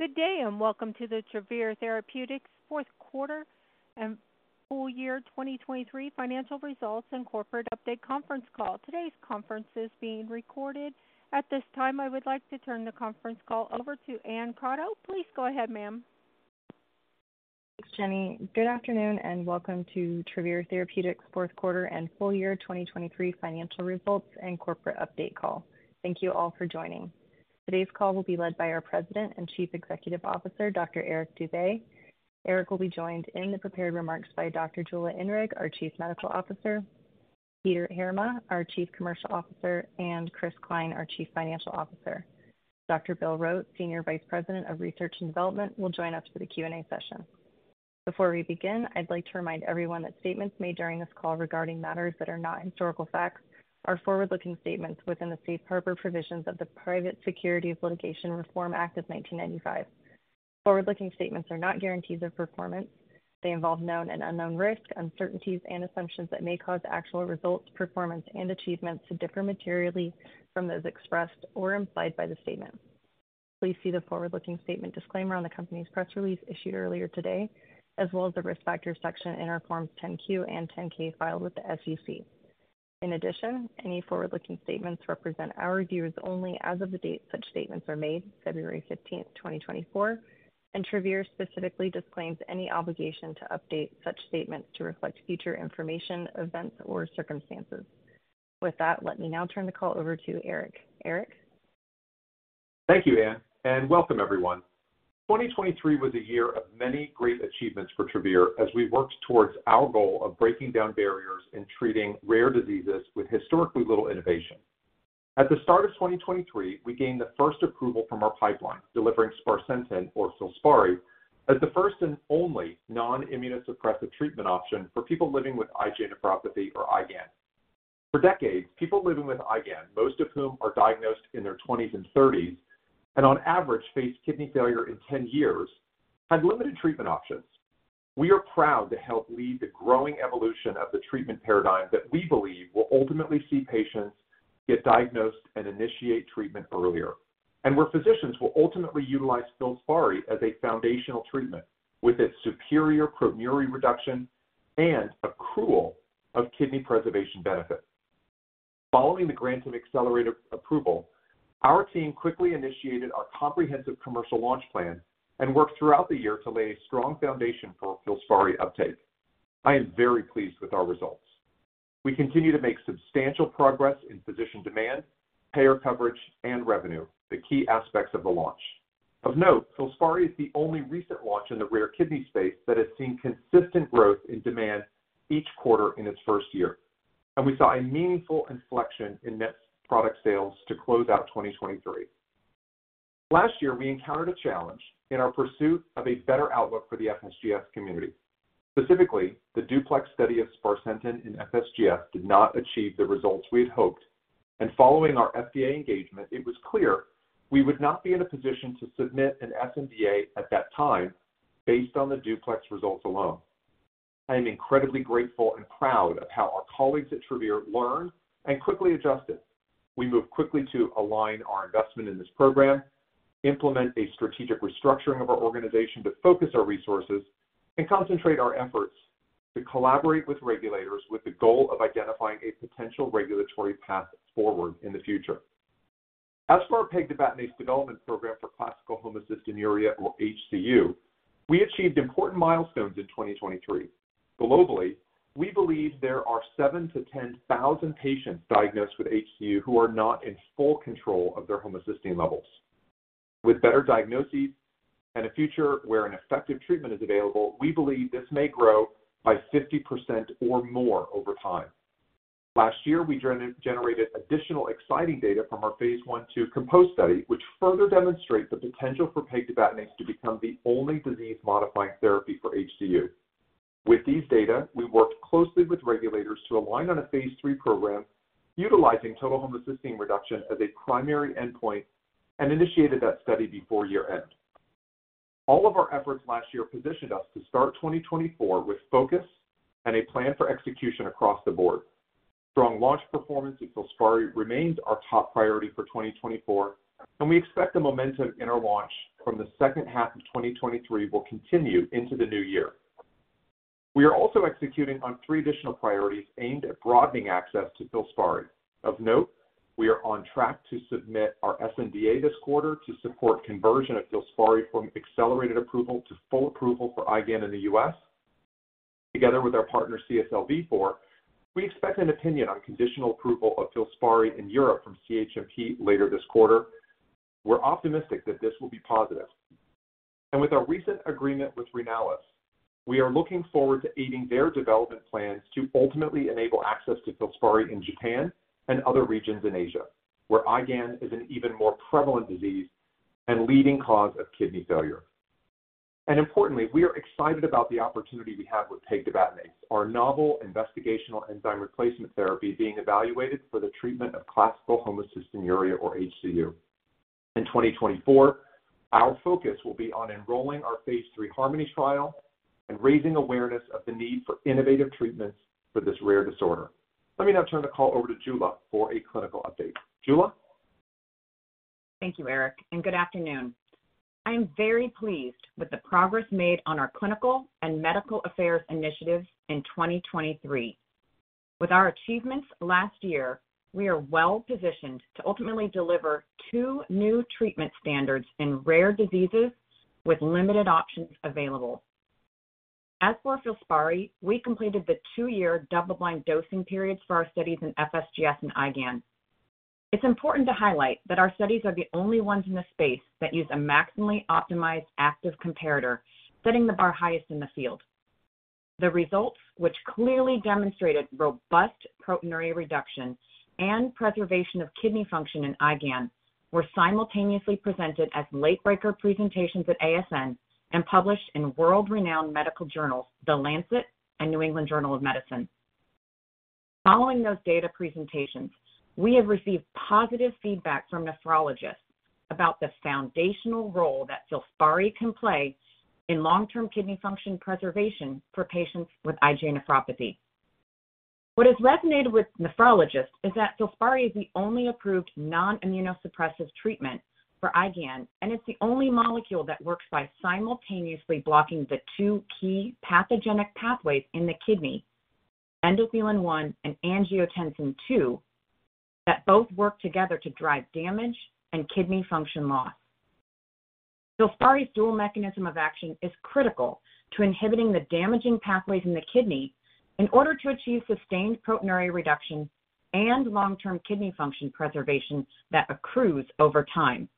Good day and welcome to the Travere Therapeutics fourth quarter and full year 2023 Financial Results and corporate update conference call. Today's conference is being recorded. At this time, I would like to turn the conference call over to Anne Crotteau. Please go ahead, ma'am. Thanks, Jenny. Good afternoon and welcome to Travere Therapeutics fourth quarter and full year 2023 financial results and corporate update call. Thank you all for joining. Today's call will be led by our President and Chief Executive Officer, Dr. Eric Dube. Eric will be joined in the prepared remarks by Dr. Jula Inrig, our Chief Medical Officer, Peter Heerma, our Chief Commercial Officer, and Chris Cline, our Chief Financial Officer. Dr. Bill Rote, Senior Vice President of Research and Development, will join us for the Q&A session. Before we begin, I'd like to remind everyone that statements made during this call regarding matters that are not historical facts are forward-looking statements within the safe harbor provisions of the Private Securities Litigation Reform Act of 1995. Forward-looking statements are not guarantees of performance. They involve known and unknown risks, uncertainties, and assumptions that may cause actual results, performance, and achievements to differ materially from those expressed or implied by the statement. Please see the forward-looking statement disclaimer on the company's press release issued earlier today, as well as the risk factors section in our Form 10-Q and 10-K filed with the SEC. In addition, any forward-looking statements represent our views only as of the date such statements are made, February 15th, 2024, and Travere specifically disclaims any obligation to update such statements to reflect future information, events, or circumstances. With that, let me now turn the call over to Eric. Eric? Thank you, Anne, and welcome, everyone. 2023 was a year of many great achievements for Travere as we worked towards our goal of breaking down barriers and treating rare diseases with historically little innovation. At the start of 2023, we gained the first approval from our pipeline, delivering sparsentan, or Filspari, as the first and only non-immunosuppressive treatment option for people living with IgA nephropathy or IgAN. For decades, people living with IgAN, most of whom are diagnosed in their 20s and 30s and on average face kidney failure in 10 years, had limited treatment options. We are proud to help lead the growing evolution of the treatment paradigm that we believe will ultimately see patients get diagnosed and initiate treatment earlier, and where physicians will ultimately utilize Filspari as a foundational treatment with its superior proteinuria reduction and accrual of kidney preservation benefit. Following the Grantham Accelerator approval, our team quickly initiated our comprehensive commercial launch plan and worked throughout the year to lay a strong foundation for Filspari uptake. I am very pleased with our results. We continue to make substantial progress in physician demand, payer coverage, and revenue, the key aspects of the launch. Of note, Filspari is the only recent launch in the rare kidney space that has seen consistent growth in demand each quarter in its first year, and we saw a meaningful inflection in net product sales to close out 2023. Last year, we encountered a challenge in our pursuit of a better outlook for the FSGS community. Specifically, the DUPLEX Study of sparsentan in FSGS did not achieve the results we had hoped, and following our FDA engagement, it was clear we would not be in a position to submit an sNDA at that time based on the DUPLEX results alone. I am incredibly grateful and proud of how our colleagues at Travere learned and quickly adjusted. We moved quickly to align our investment in this program, implement a strategic restructuring of our organization to focus our resources, and concentrate our efforts to collaborate with regulators with the goal of identifying a potential regulatory path forward in the future. As for our pegtibatinase Development Program for classical homocystinuria, or HCU, we achieved important milestones in 2023. Globally, we believe there are 7,000-10,000 patients diagnosed with HCU who are not in full control of their homocysteine levels. With better diagnoses and a future where an effective treatment is available, we believe this may grow by 50% or more over time. Last year, we generated additional exciting data from our Phase 1/2 COMPOSE study, which further demonstrates the potential for pegtibatinase to become the only disease-modifying therapy for HCU. With these data, we worked closely with regulators to align on a Phase 3 program utilizing total homocysteine reduction as a primary endpoint and initiated that study before year-end. All of our efforts last year positioned us to start 2024 with focus and a plan for execution across the board. Strong launch performance at Filspari remains our top priority for 2024, and we expect the momentum in our launch from the second half of 2023 will continue into the new year. We are also executing on three additional priorities aimed at broadening access to Filspari. Of note, we are on track to submit our sNDA this quarter to support conversion of Filspari from accelerated approval to full approval for IgAN in the U.S. Together with our partner CSL Vifor, we expect an opinion on conditional approval of Filspari in Europe from CHMP later this quarter. We're optimistic that this will be positive. With our recent agreement with Renalys, we are looking forward to aiding their development plans to ultimately enable access to Filspari in Japan and other regions in Asia, where IgAN is an even more prevalent disease and leading cause of kidney failure. Importantly, we are excited about the opportunity we have with pegtibatinase, our novel investigational enzyme replacement therapy being evaluated for the treatment of classical homocystinuria, or HCU. In 2024, our focus will be on enrolling our Phase 3 HARMONY trial and raising awareness of the need for innovative treatments for this rare disorder. Let me now turn the call over to Jula for a clinical update. Jula? Thank you, Eric, and good afternoon. I am very pleased with the progress made on our clinical and medical affairs initiatives in 2023. With our achievements last year, we are well positioned to ultimately deliver two new treatment standards in rare diseases with limited options available. As for Filspari, we completed the two-year double-blind dosing periods for our studies in FSGS and IgAN. It's important to highlight that our studies are the only ones in the space that use a maximally optimized active comparator, setting the bar highest in the field. The results, which clearly demonstrated robust proteinuria reduction and preservation of kidney function in IgAN, were simultaneously presented as late-breaker presentations at ASN and published in world-renowned medical journals, The Lancet and New England Journal of Medicine. Following those data presentations, we have received positive feedback from nephrologists about the foundational role that Filspari can play in long-term kidney function preservation for patients with IgA nephropathy. What has resonated with nephrologists is that Filspari is the only approved non-immunosuppressive treatment for IgAN, and it's the only molecule that works by simultaneously blocking the two key pathogenic pathways in the kidney, endothelin-1 and angiotensin-2, that both work together to drive damage and kidney function loss. Filspari's dual mechanism of action is critical to inhibiting the damaging pathways in the kidney in order to achieve sustained proteinuria reduction and long-term kidney function preservation that accrues over time.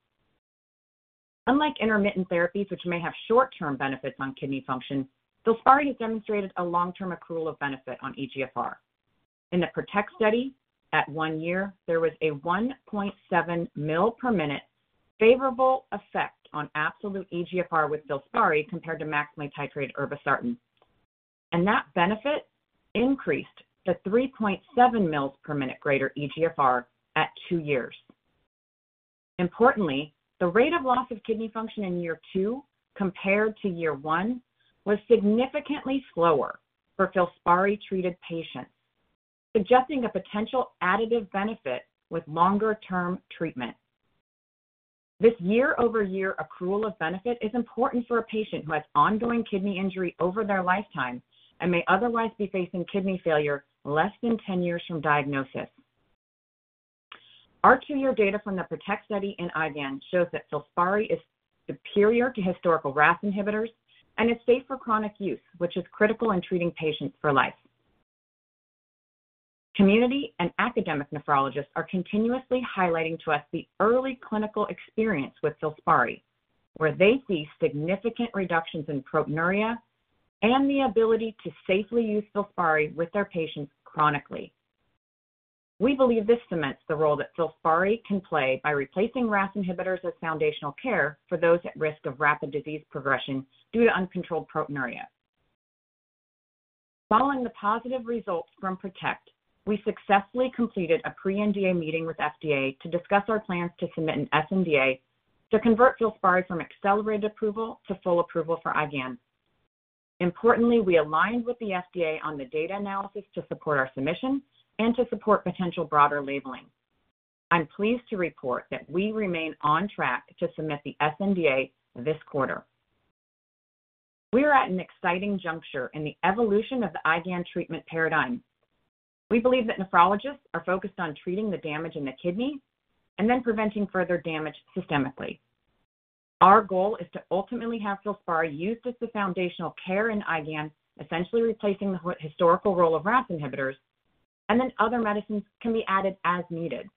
Unlike intermittent therapies, which may have short-term benefits on kidney function, Filspari has demonstrated a long-term accrual of benefit on eGFR. In the PROTECT study, at one year, there was a 1.7 ml/min favorable effect on absolute eGFR with Filspari compared to maximally titrated irbesartan, and that benefit increased the 3.7 ml/min greater eGFR at two years. Importantly, the rate of loss of kidney function in year two compared to year one was significantly slower for Filspari-treated patients, suggesting a potential additive benefit with longer-term treatment. This year-over-year accrual of benefit is important for a patient who has ongoing kidney injury over their lifetime and may otherwise be facing kidney failure less than 10 years from diagnosis. Our two-year data from the PROTECT study in IgAN shows that Filspari is superior to historical RAAS inhibitors and is safe for chronic use, which is critical in treating patients for life. Community and academic nephrologists are continuously highlighting to us the early clinical experience with Filspari, where they see significant reductions in proteinuria and the ability to safely use Filspari with their patients chronically. We believe this cements the role that Filspari can play by replacing RAAS inhibitors as foundational care for those at risk of rapid disease progression due to uncontrolled proteinuria. Following the positive results from PROTECT, we successfully completed a pre-NDA meeting with FDA to discuss our plans to submit an sNDA to convert Filspari from accelerated approval to full approval for IgAN. Importantly, we aligned with the FDA on the data analysis to support our submission and to support potential broader labeling. I'm pleased to report that we remain on track to submit the sNDA this quarter. We are at an exciting juncture in the evolution of the IgAN treatment paradigm. We believe that nephrologists are focused on treating the damage in the kidney and then preventing further damage systemically. Our goal is to ultimately have FILSPARI used as the foundational care in IgAN, essentially replacing the historical role of RAAS inhibitors, and then other medicines can be added as needed.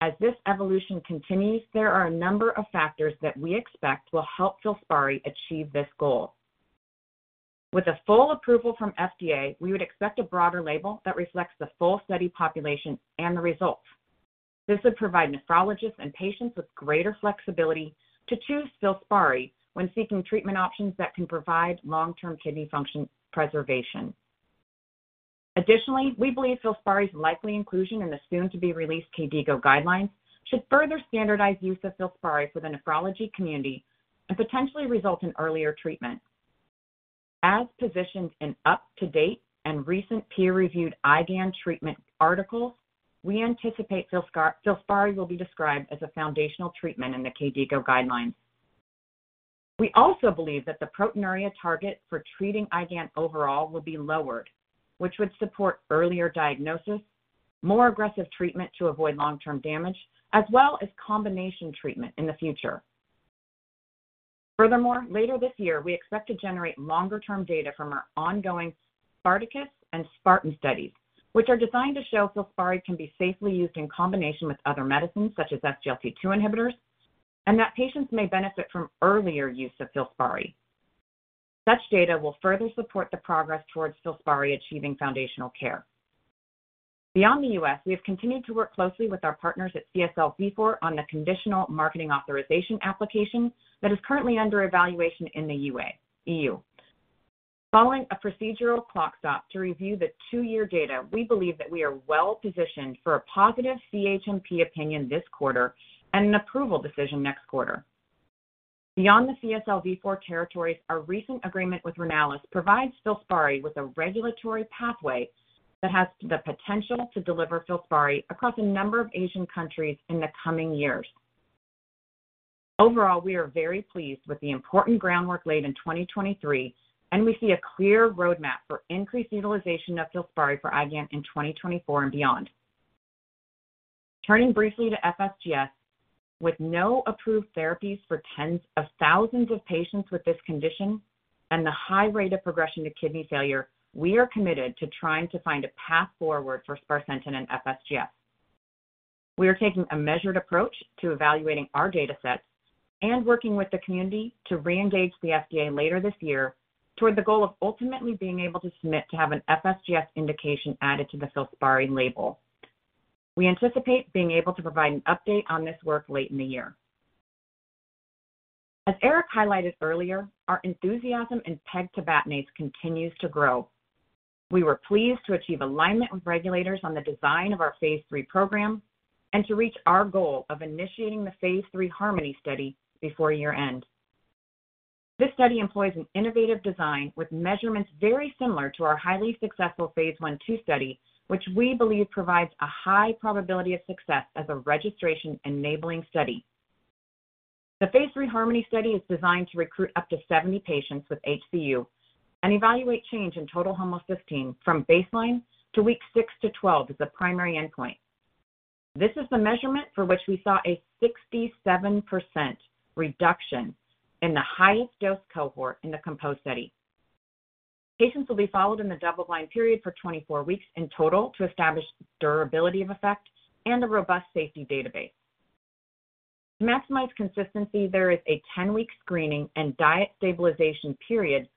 As this evolution continues, there are a number of factors that we expect will help FILSPARI achieve this goal. With a full approval from FDA, we would expect a broader label that reflects the full study population and the results. This would provide nephrologists and patients with greater flexibility to choose Filspari when seeking treatment options that can provide long-term kidney function preservation. Additionally, we believe FILSPARI's likely inclusion in the soon-to-be-released KDIGO guidelines should further standardize use of FILSPARI for the nephrology community and potentially result in earlier treatment. As positioned in UpToDate and recent peer-reviewed IgAN treatment articles, we anticipate Filspari will be described as a foundational treatment in the KDIGO guidelines. We also believe that the proteinuria target for treating IgAN overall will be lowered, which would support earlier diagnosis, more aggressive treatment to avoid long-term damage, as well as combination treatment in the future. Furthermore, later this year, we expect to generate longer-term data from our ongoing SPARTACUS and SPARTAN studies, which are designed to show Filspari can be safely used in combination with other medicines such as SGLT2 inhibitors, and that patients may benefit from earlier use of Filspari. Such data will further support the progress towards Filspari achieving foundational care. Beyond the US, we have continued to work closely with our partners at CSL Vifor on the conditional marketing authorization application that is currently under evaluation in the EU. Following a procedural clock stop to review the two-year data, we believe that we are well positioned for a positive CHMP opinion this quarter and an approval decision next quarter. Beyond the CSL Vifor territories, our recent agreement with Renalys provides Filspari with a regulatory pathway that has the potential to deliver Filspari across a number of Asian countries in the coming years. Overall, we are very pleased with the important groundwork laid in 2023, and we see a clear roadmap for increased utilization of Filspari for IgAN in 2024 and beyond. Turning briefly to FSGS, with no approved therapies for tens of thousands of patients with this condition and the high rate of progression to kidney failure, we are committed to trying to find a path forward for sparsentan in FSGS. We are taking a measured approach to evaluating our data sets and working with the community to re-engage the FDA later this year toward the goal of ultimately being able to submit to have an FSGS indication added to the FILSPARI label. We anticipate being able to provide an update on this work late in the year. As Eric highlighted earlier, our enthusiasm in pegtibatinase continues to grow. We were pleased to achieve alignment with regulators on the design of our Phase 3 program and to reach our goal of initiating the Phase 3 HARMONY study before year-end. This study employs an innovative design with measurements very similar to our highly successful Phase 1/2 study, which we believe provides a high probability of success as a registration-enabling study. The Phase 3 HARMONY study is designed to recruit up to 70 patients with HCU and evaluate change in total homocysteine from baseline to week 6-12 as the primary endpoint. This is the measurement for which we saw a 67% reduction in the highest dose cohort in the COMPOSE study. Patients will be followed in the double-blind period for 24 weeks in total to establish durability of effect and a robust safety database. To maximize consistency, there is a 10-week screening and diet stabilization period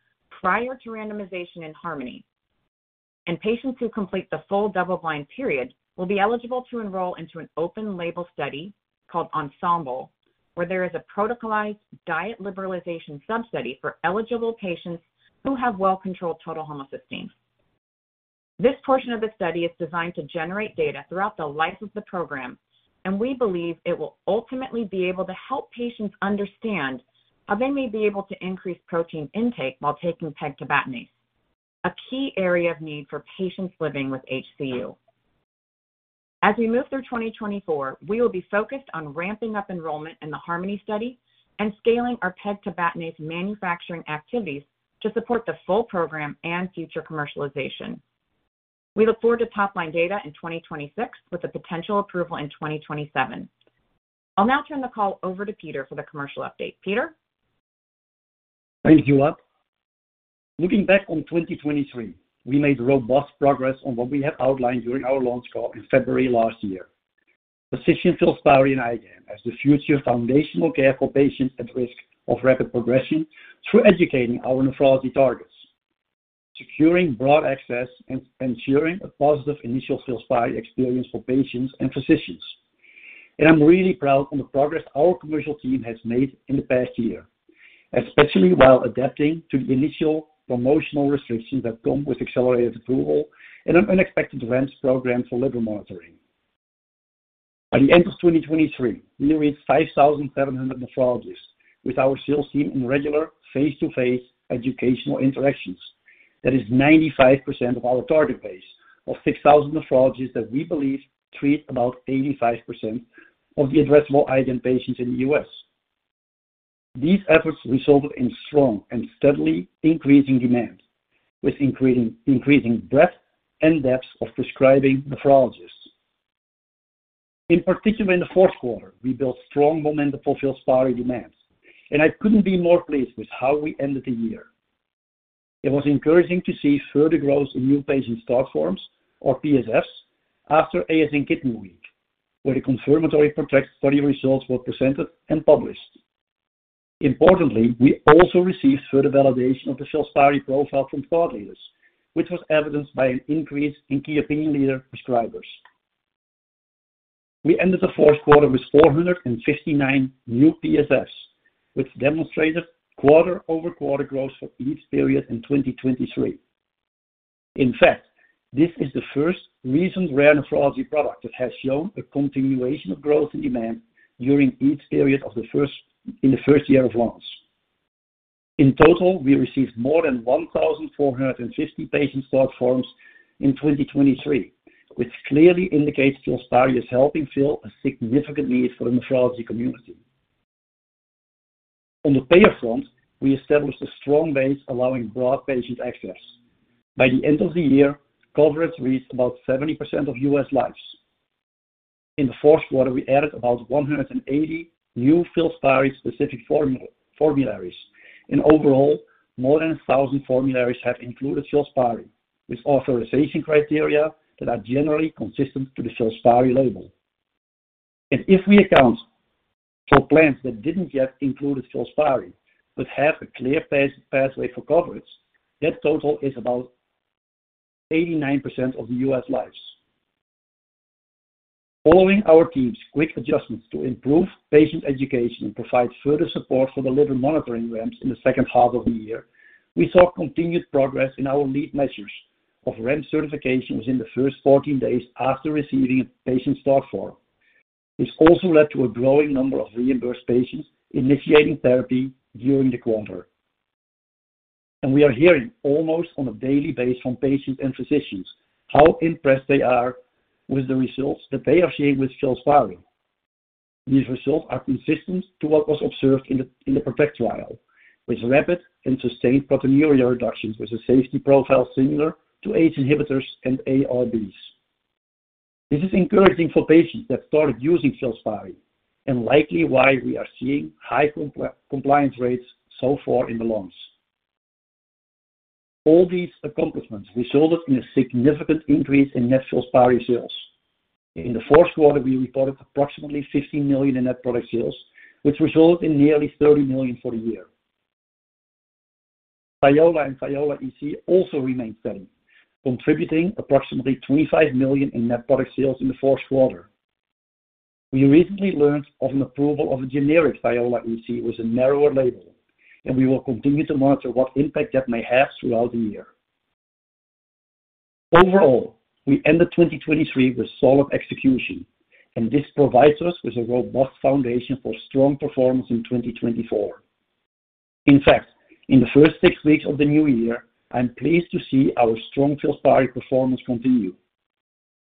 prior to randomization in HARMONY, and patients who complete the full double-blind period will be eligible to enroll into an open-label study called ENSEMBLE, where there is a protocolized diet liberalization substudy for eligible patients who have well-controlled total homocysteine. This portion of the study is designed to generate data throughout the life of the program, and we believe it will ultimately be able to help patients understand how they may be able to increase protein intake while taking pegtibatinase, a key area of need for patients living with HCU. As we move through 2024, we will be focused on ramping up enrollment in the HARMONY study and scaling our pegtibatinase manufacturing activities to support the full program and future commercialization. We look forward to top-line data in 2026 with the potential approval in 2027. I'll now turn the call over to Peter for the commercial update. Peter? Thanks, Jula. Looking back on 2023, we made robust progress on what we have outlined during our launch call in February last year: positioning Filspari in IgAN as the future foundational care for patients at risk of rapid progression through educating our nephrology targets, securing broad access, and ensuring a positive initial Filspari experience for patients and physicians. I'm really proud of the progress our commercial team has made in the past year, especially while adapting to the initial promotional restrictions that come with accelerated approval and an unexpected REMS program for liver monitoring. By the end of 2023, we reached 5,700 nephrologists with our sales team in regular face-to-face educational interactions. That is 95% of our target base, of 6,000 nephrologists that we believe treat about 85% of the addressable IgAN patients in the U.S. These efforts resulted in strong and steadily increasing demand, with increasing breadth and depth of prescribing nephrologists. In particular, in the fourth quarter, we built strong momentum for Filspari demands, and I couldn't be more pleased with how we ended the year. It was encouraging to see further growth in new patient start forms, or PSFs, after ASN Kidney Week, where the confirmatory PROTECT Study results were presented and published. Importantly, we also received further validation of the Filspari profile from thought leaders, which was evidenced by an increase in key opinion leader prescribers. We ended the fourth quarter with 459 new PSFs, which demonstrated quarter-over-quarter growth for each period in 2023. In fact, this is the first recent rare nephrology product that has shown a continuation of growth in demand during each period in the first year of launch. In total, we received more than 1,450 patient start forms in 2023, which clearly indicates FILSPARI is helping fill a significant need for the nephrology community. On the payer front, we established a strong base allowing broad patient access. By the end of the year, coverage reached about 70% of U.S. lives. In the fourth quarter, we added about 180 new Filspari-specific formularies, and overall, more than 1,000 formularies have included Filspari with authorization criteria that are generally consistent to the Filspari label. And if we account for plans that didn't yet include Filspari but have a clear pathway for coverage, that total is about 89% of the U.S. lives. Following our team's quick adjustments to improve patient education and provide further support for the liver monitoring REMS in the second half of the year, we saw continued progress in our lead measures of REMS certification within the first 14 days after receiving a patient start form. This also led to a growing number of reimbursed patients initiating therapy during the quarter. We are hearing almost on a daily basis from patients and physicians how impressed they are with the results that they are seeing with Filspari. These results are consistent to what was observed in the PROTECT trial, with rapid and sustained proteinuria reductions with a safety profile similar to ACE inhibitors and ARBs. This is encouraging for patients that started using Filspari and likely why we are seeing high compliance rates so far in the launches. All these accomplishments resulted in a significant increase in net Filspari sales. In the fourth quarter, we reported approximately $15 million in net product sales, which resulted in nearly $30 million for the year. Thiola and Thiola EC also remained steady, contributing approximately $25 million in net product sales in the fourth quarter. We recently learned of an approval of a generic Thiola EC with a narrower label, and we will continue to monitor what impact that may have throughout the year. Overall, we ended 2023 with solid execution, and this provides us with a robust foundation for strong performance in 2024. In fact, in the first six weeks of the new year, I'm pleased to see our strong FILSPARI performance continue.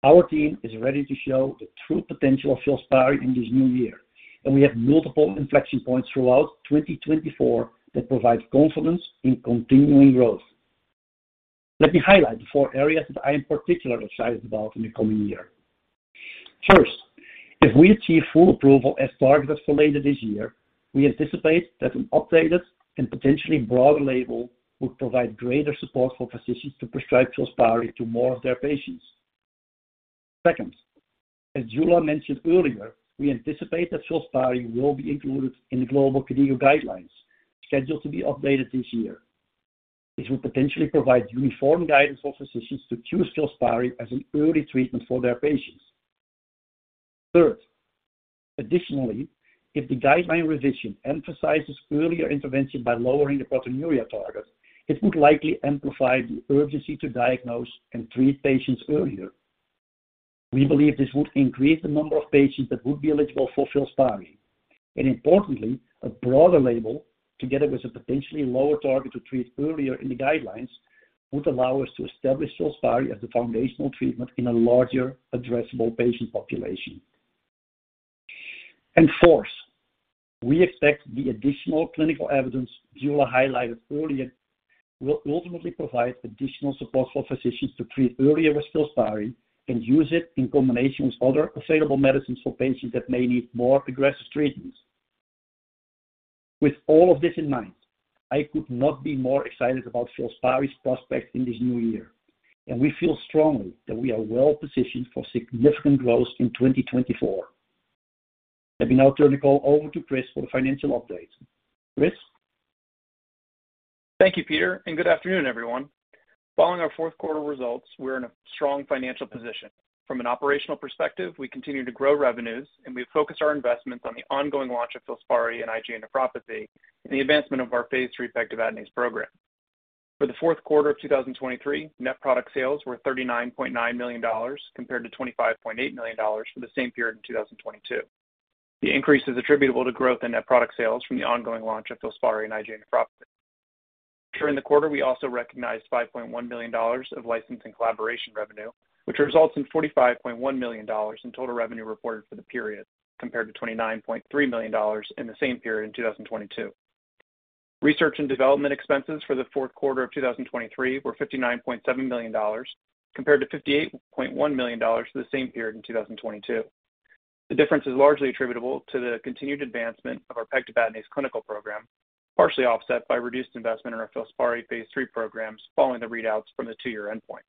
Our team is ready to show the true potential of FILSPARI in this new year, and we have multiple inflection points throughout 2024 that provide confidence in continuing growth. Let me highlight the four areas that I am particularly excited about in the coming year. First, if we achieve full approval as targeted for later this year, we anticipate that an updated and potentially broader label would provide greater support for physicians to prescribe Filspari to more of their patients. Second, as Jula mentioned earlier, we anticipate that Filspari will be included in the global KDIGO guidelines, scheduled to be updated this year. This would potentially provide uniform guidance for physicians to choose Filspari as an early treatment for their patients. Third, additionally, if the guideline revision emphasizes earlier intervention by lowering the proteinuria target, it would likely amplify the urgency to diagnose and treat patients earlier. We believe this would increase the number of patients that would be eligible for Filspari, and importantly, a broader label together with a potentially lower target to treat earlier in the guidelines would allow us to establish Filspari as the foundational treatment in a larger addressable patient population. And fourth, we expect the additional clinical evidence Jula highlighted earlier will ultimately provide additional support for physicians to treat earlier with Filspari and use it in combination with other available medicines for patients that may need more aggressive treatments. With all of this in mind, I could not be more excited about Filspari's prospects in this new year, and we feel strongly that we are well positioned for significant growth in 2024. Let me now turn the call over to Chris for the financial updates. Chris? Thank you, Peter, and good afternoon, everyone. Following our fourth quarter results, we're in a strong financial position. From an operational perspective, we continue to grow revenues, and we have focused our investments on the ongoing launch of Filspari in IgA nephropathy and the advancement of our Phase 3 pegtibatinase Program. For the fourth quarter of 2023, net product sales were $39.9 million compared to $25.8 million for the same period in 2022. The increase is attributable to growth in net product sales from the ongoing launch of Filspari in IgA nephropathy. During the quarter, we also recognized $5.1 million of licensing collaboration revenue, which results in $45.1 million in total revenue reported for the period compared to $29.3 million in the same period in 2022. Research and development expenses for the fourth quarter of 2023 were $59.7 million compared to $58.1 million for the same period in 2022. The difference is largely attributable to the continued advancement of our pegtibatinase clinical program, partially offset by reduced investment in our Filspari Phase 3 programs following the readouts from the two-year endpoints.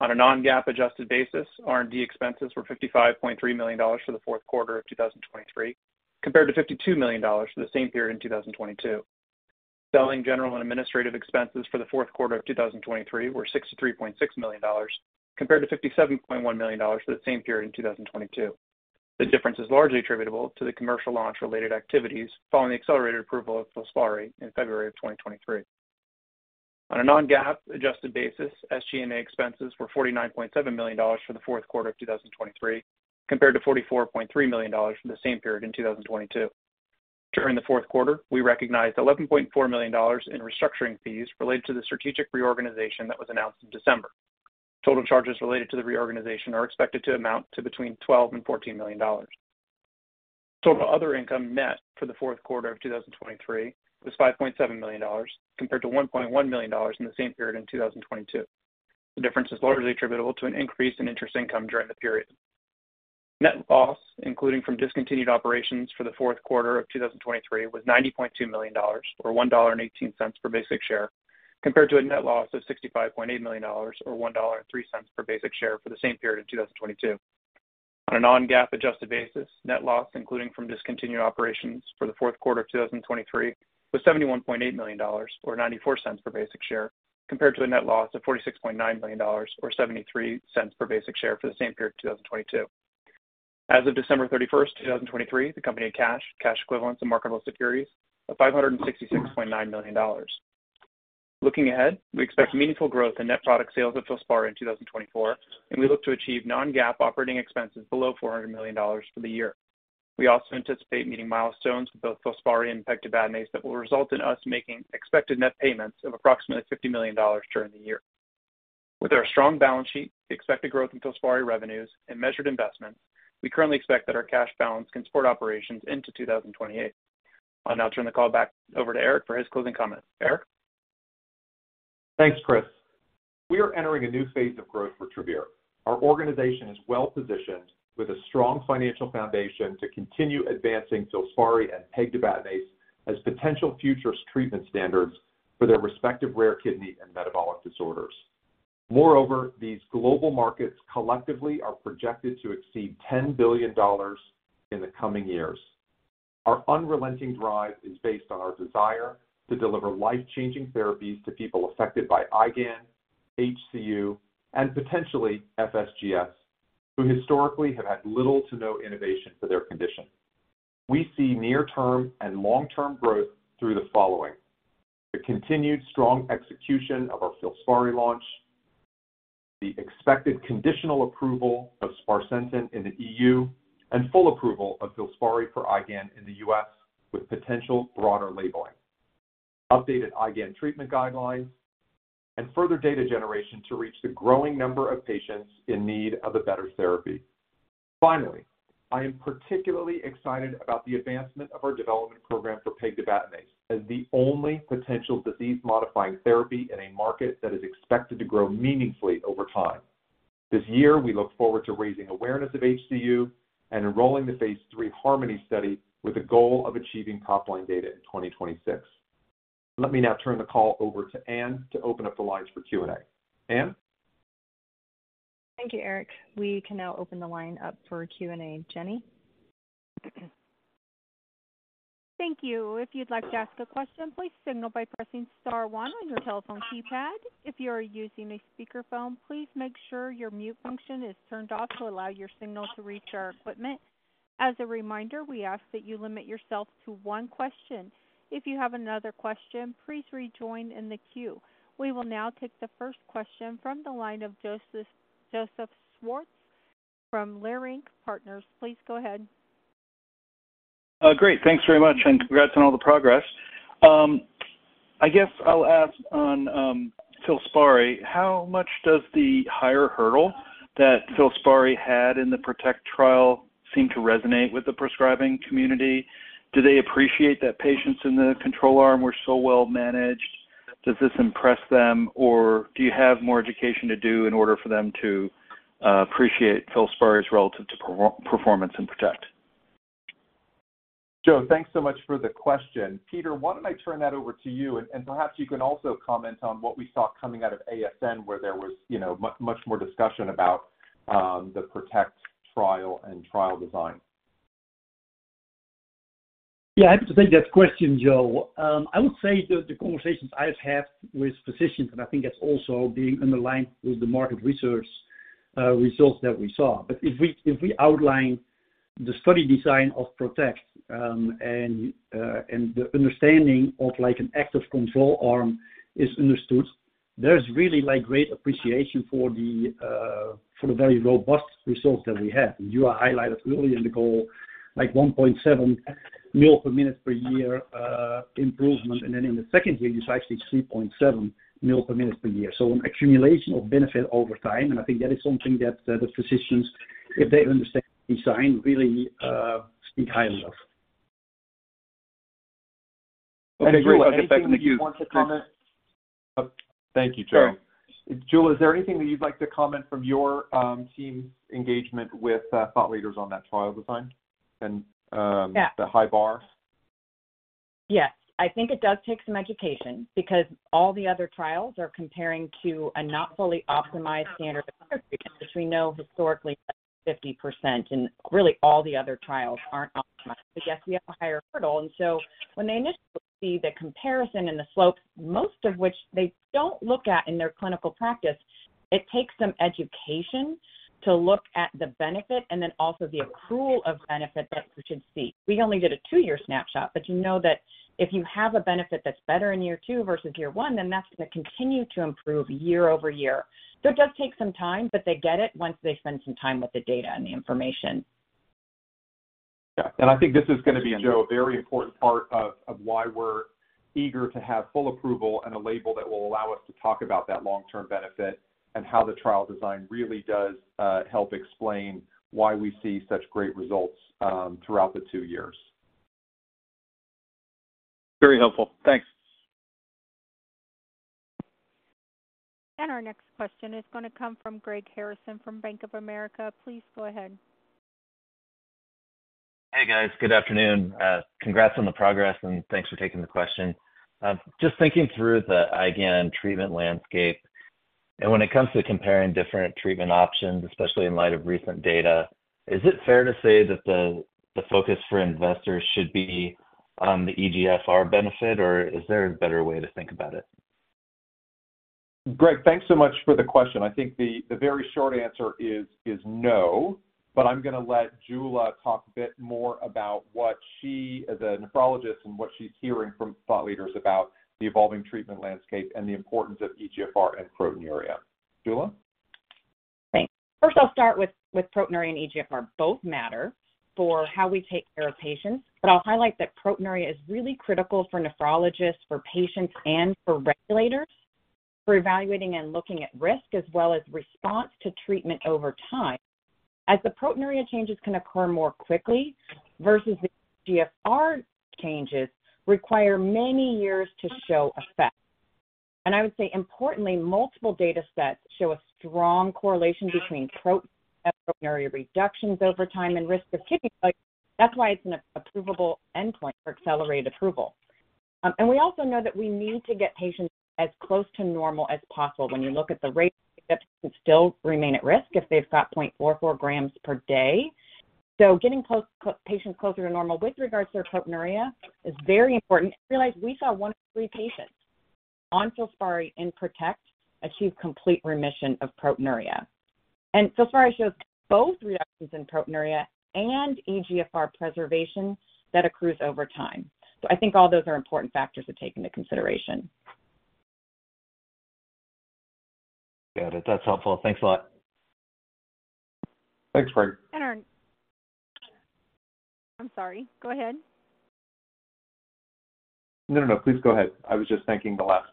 On a non-GAAP adjusted basis, R&D expenses were $55.3 million for the fourth quarter of 2023 compared to $52 million for the same period in 2022. Selling, general, and administrative expenses for the fourth quarter of 2023 were $63.6 million compared to $57.1 million for the same period in 2022. The difference is largely attributable to the commercial launch-related activities following the accelerated approval of Filspari in February of 2023. On a non-GAAP adjusted basis, SG&A expenses were $49.7 million for the fourth quarter of 2023 compared to $44.3 million for the same period in 2022. During the fourth quarter, we recognized $11.4 million in restructuring fees related to the strategic reorganization that was announced in December. Total charges related to the reorganization are expected to amount to between $12 million and $14 million. Total other income net for the fourth quarter of 2023 was $5.7 million compared to $1.1 million in the same period in 2022. The difference is largely attributable to an increase in interest income during the period. Net loss, including from discontinued operations for the fourth quarter of 2023, was $90.2 million or $1.18 per basic share compared to a net loss of $65.8 million or $1.03 per basic share for the same period in 2022. On a non-GAAP adjusted basis, net loss, including from discontinued operations for the fourth quarter of 2023, was $71.8 million or $0.94 per basic share compared to a net loss of $46.9 million or $0.73 per basic share for the same period in 2022. As of December 31st, 2023, the company had cash, cash equivalents, and marketable securities of $566.9 million. Looking ahead, we expect meaningful growth in net product sales at Filspari in 2024, and we look to achieve non-GAAP operating expenses below $400 million for the year. We also anticipate meeting milestones with both Filspari and pegtibatinase that will result in us making expected net payments of approximately $50 million during the year. With our strong balance sheet, the expected growth in Filspari revenues, and measured investments, we currently expect that our cash balance can support operations into 2028. I'll now turn the call back over to Eric for his closing comment. Eric? Thanks, Chris. We are entering a new phase of growth for Travere. Our organization is well positioned with a strong financial foundation to continue advancing Filspari and pegtibatinase as potential future treatment standards for their respective rare kidney and metabolic disorders. Moreover, these global markets collectively are projected to exceed $10 billion in the coming years. Our unrelenting drive is based on our desire to deliver life-changing therapies to people affected by IgAN, HCU, and potentially FSGS, who historically have had little to no innovation for their condition. We see near-term and long-term growth through the following: the continued strong execution of our Filspari launch, the expected conditional approval of sparsentan in the EU, and full approval of Filspari for IgAN in the U.S. with potential broader labeling, updated IgAN treatment guidelines, and further data generation to reach the growing number of patients in need of a better therapy. Finally, I am particularly excited about the advancement of our development program for pegtibatinase as the only potential disease-modifying therapy in a market that is expected to grow meaningfully over time. This year, we look forward to raising awareness of HCU and enrolling the Phase 3 HARMONY study with the goal of achieving top-line data in 2026. Let me now turn the call over to Anne to open up the lines for Q&A. Anne? Thank you, Eric. We can now open the line up for Q&A. Jenny? Thank you. If you'd like to ask a question, please signal by pressing star one on your telephone keypad. If you are using a speakerphone, please make sure your mute function is turned off to allow your signal to reach our equipment. As a reminder, we ask that you limit yourself to one question. If you have another question, please rejoin in the queue. We will now take the first question from the line of Joseph Schwartz from Leerink Partners. Please go ahead. Great. Thanks very much, and congrats on all the progress. I guess I'll ask on Filspari: how much does the higher hurdle that Filspari had in the PROTECT trial seem to resonate with the prescribing community? Do they appreciate that patients in the control arm were so well managed? Does this impress them, or do you have more education to do in order for them to appreciate Filspari's relative to performance in PROTECT? Joe, thanks so much for the question. Peter, why don't I turn that over to you, and perhaps you can also comment on what we saw coming out of ASN where there was much more discussion about the PROTECT trial and trial design? Yeah, happy to take that question, Joe. I would say the conversations I've had with physicians, and I think that's also being underlined with the market research results that we saw. But if we outline the study design of PROTECT and the understanding of an active control arm is understood, there's really great appreciation for the very robust results that we have. And Jula highlighted earlier in the call 1.7 ml/min/year improvement, and then in the second year, it's actually 3.7 ml/min/year. So an accumulation of benefit over time, and I think that is something that the physicians, if they understand the design, really speak highly of. I agree. I'll get back in the queue. If anybody wants to comment. Thank you, Joe. Joe, is there anything that you'd like to comment from your team's engagement with thought leaders on that trial design and the high bar? Yes. I think it does take some education because all the other trials are comparing to a not fully optimized standard of care treatment, which we know historically was 50%, and really all the other trials aren't optimized. But yes, we have a higher hurdle. And so when they initially see the comparison and the slopes, most of which they don't look at in their clinical practice, it takes some education to look at the benefit and then also the accrual of benefit that you should see. We only did a two-year snapshot, but you know that if you have a benefit that's better in year two versus year one, then that's going to continue to improve year-over-year. So it does take some time, but they get it once they spend some time with the data and the information. Yeah. I think this is going to be, Joe, a very important part of why we're eager to have full approval and a label that will allow us to talk about that long-term benefit and how the trial design really does help explain why we see such great results throughout the two years. Very helpful. Thanks. Our next question is going to come from Greg Harrison from Bank of America. Please go ahead. Hey, guys. Good afternoon. Congrats on the progress, and thanks for taking the question. Just thinking through the IgAN treatment landscape, and when it comes to comparing different treatment options, especially in light of recent data, is it fair to say that the focus for investors should be on the eGFR benefit, or is there a better way to think about it? Greg, thanks so much for the question. I think the very short answer is no, but I'm going to let Jula talk a bit more about what she, as a nephrologist, and what she's hearing from thought leaders about the evolving treatment landscape and the importance of eGFR and proteinuria. Jula? Thanks. First, I'll start with proteinuria and eGFR. Both matter for how we take care of patients, but I'll highlight that proteinuria is really critical for nephrologists, for patients, and for regulators for evaluating and looking at risk as well as response to treatment over time, as the proteinuria changes can occur more quickly versus the eGFR changes require many years to show effect. And I would say, importantly, multiple datasets show a strong correlation between proteinuria reductions over time and risk of kidney failure. That's why it's an approvable endpoint for accelerated approval. And we also know that we need to get patients as close to normal as possible. When you look at the rate, patients still remain at risk if they've got 0.44 grams per day. So getting patients closer to normal with regards to their proteinuria is very important. Realize we saw one of three patients on Filspari in PROTECT achieve complete remission of proteinuria. Filspari shows both reductions in proteinuria and eGFR preservation that accrues over time. I think all those are important factors to take into consideration. Got it. That's helpful. Thanks a lot. Thanks, Greg. I'm sorry. Go ahead. No, no, no. Please go ahead. I was just thanking the last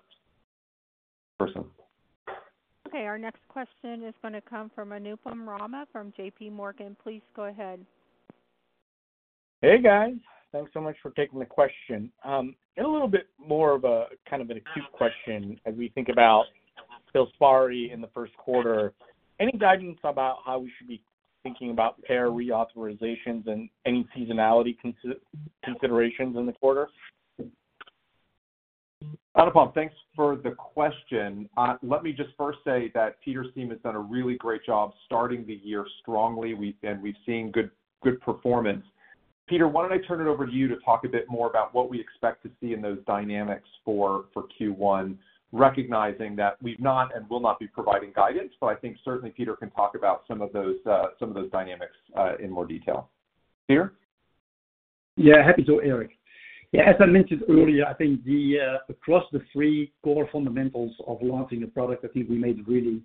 person. Okay. Our next question is going to come from Anupam Rama from J.P. Morgan. Please go ahead. Hey, guys. Thanks so much for taking the question. In a little bit more of a kind of an acute question, as we think about Filspari in the first quarter, any guidance about how we should be thinking about payer reauthorizations and any seasonality considerations in the quarter? Not a problem. Thanks for the question. Let me just first say that Peter's team has done a really great job starting the year strongly, and we've seen good performance. Peter, why don't I turn it over to you to talk a bit more about what we expect to see in those dynamics for Q1, recognizing that we've not and will not be providing guidance, but I think certainly Peter can talk about some of those dynamics in more detail. Peter? Yeah, happy to, Eric. Yeah, as I mentioned earlier, I think across the three core fundamentals of launching a product, I think we made really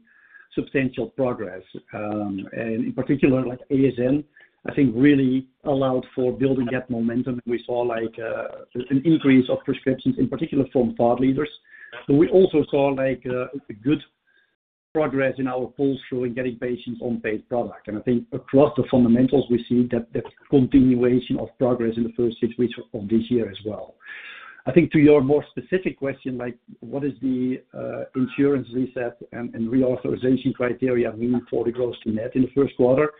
substantial progress. In particular, ASN, I think, really allowed for building that momentum. We saw an increase of prescriptions, in particular from thought leaders. We also saw good progress in our pull-through in getting patients on paid product. I think across the fundamentals, we see that continuation of progress in the first six weeks of this year as well. I think to your more specific question, what does the insurance reset and reauthorization criteria mean for the gross-to-net in the first quarter?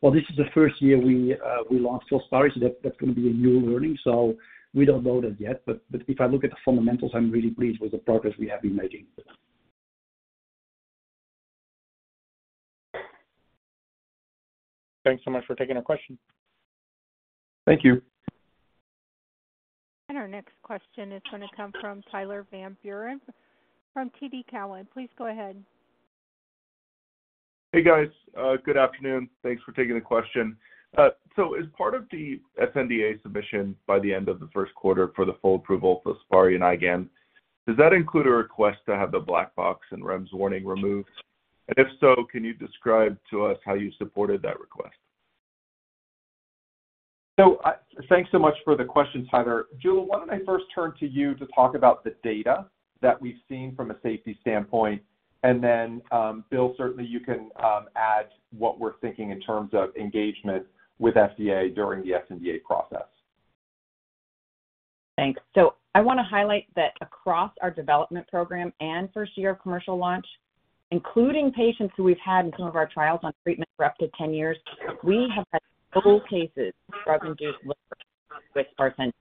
Well, this is the first year we launched Filspari, so that's going to be a new learning. We don't know that yet, but if I look at the fundamentals, I'm really pleased with the progress we have been making. Thanks so much for taking our question. Thank you. Our next question is going to come from Tyler Van Buren from TD Cowen. Please go ahead. Hey, guys. Good afternoon. Thanks for taking the question. So as part of the FDA submission by the end of the first quarter for the full approval of Filspari in IgAN, does that include a request to have the black box and REMS warning removed? And if so, can you describe to us how you supported that request? So thanks so much for the questions, Tyler. Jula, why don't I first turn to you to talk about the data that we've seen from a safety standpoint? And then, Bill, certainly, you can add what we're thinking in terms of engagement with FDA during the FDA process. Thanks. So I want to highlight that across our development program and first-year commercial launch, including patients who we've had in some of our trials on treatment for up to 10 years, we have had no cases of drug-induced liver issues with sparsentan.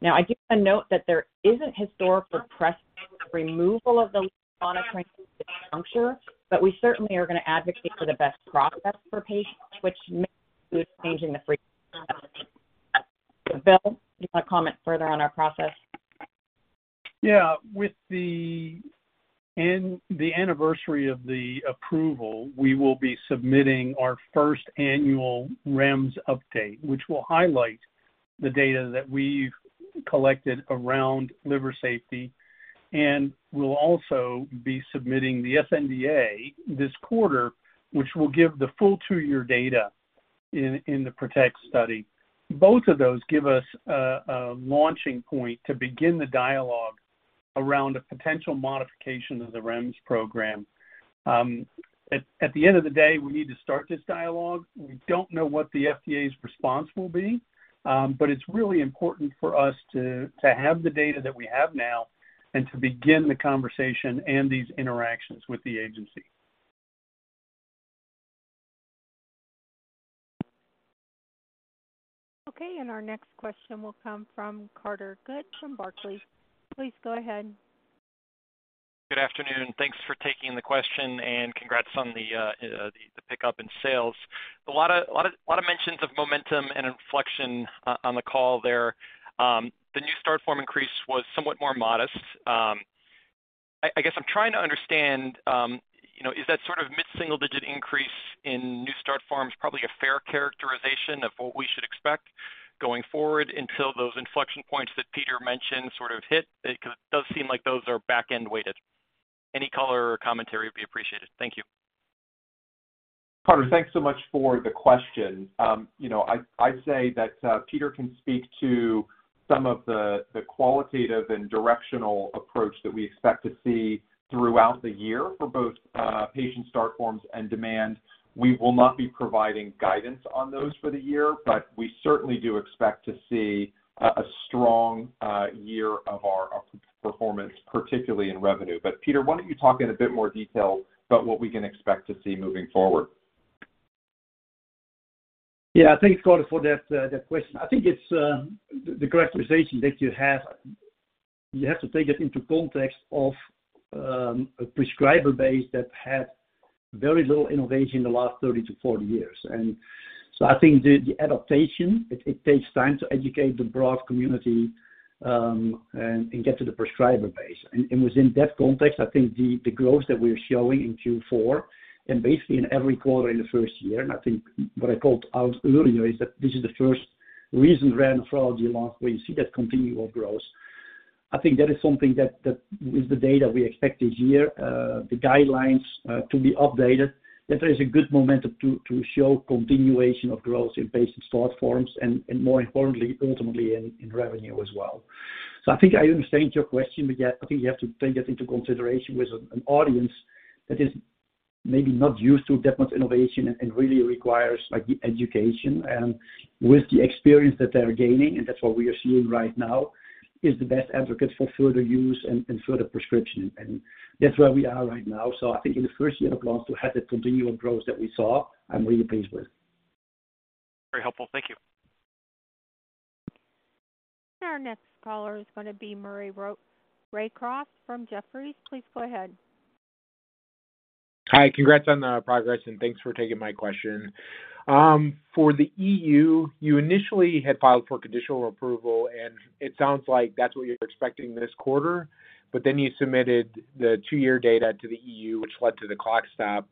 Now, I do want to note that there isn't historical precedent for removal of the liver monitoring at this juncture, but we certainly are going to advocate for the best process for patients, which may include changing the frequency of testing. Bill, do you want to comment further on our process? Yeah. With the anniversary of the approval, we will be submitting our first annual REMS update, which will highlight the data that we've collected around liver safety, and we'll also be submitting the sNDA this quarter, which will give the full two-year data in the PROTECT Study. Both of those give us a launching point to begin the dialogue around a potential modification of the REMS program. At the end of the day, we need to start this dialogue. We don't know what the FDA's response will be, but it's really important for us to have the data that we have now and to begin the conversation and these interactions with the agency. Okay. Our next question will come from Carter Gould from Barclays. Please go ahead. Good afternoon. Thanks for taking the question, and congrats on the pickup in sales. A lot of mentions of momentum and inflection on the call there. The new start form increase was somewhat more modest. I guess I'm trying to understand, is that sort of mid-single-digit increase in new start forms probably a fair characterization of what we should expect going forward until those inflection points that Peter mentioned sort of hit? Because it does seem like those are back-end weighted. Any color or commentary would be appreciated. Thank you. Carter, thanks so much for the question. I'd say that Peter can speak to some of the qualitative and directional approach that we expect to see throughout the year for both patient start forms and demand. We will not be providing guidance on those for the year, but we certainly do expect to see a strong year of our performance, particularly in revenue. But Peter, why don't you talk in a bit more detail about what we can expect to see moving forward? Yeah, thanks, Carter, for that question. I think the characterization that you have, you have to take it into context of a prescriber base that had very little innovation in the last 30-40 years. And so I think the adaptation, it takes time to educate the broad community and get to the prescriber base. And within that context, I think the growth that we're showing in Q4 and basically in every quarter in the first year - and I think what I called out earlier is that this is the first recent rare nephrology launch where you see that continual growth - I think that is something that is the data we expect this year, the guidelines to be updated, that there is a good momentum to show continuation of growth in patient start forms and, more importantly, ultimately, in revenue as well. So I think I understand your question, but yeah, I think you have to take that into consideration with an audience that is maybe not used to that much innovation and really requires the education. And with the experience that they're gaining—and that's what we are seeing right now—is the best advocate for further use and further prescription. And that's where we are right now. So I think in the first year of launch, to have that continual growth that we saw, I'm really pleased with. Very helpful. Thank you. Our next caller is going to be Maury Raycroft from Jefferies. Please go ahead. Hi. Congrats on the progress, and thanks for taking my question. For the EU, you initially had filed for conditional approval, and it sounds like that's what you're expecting this quarter, but then you submitted the two-year data to the EU, which led to the clock stop.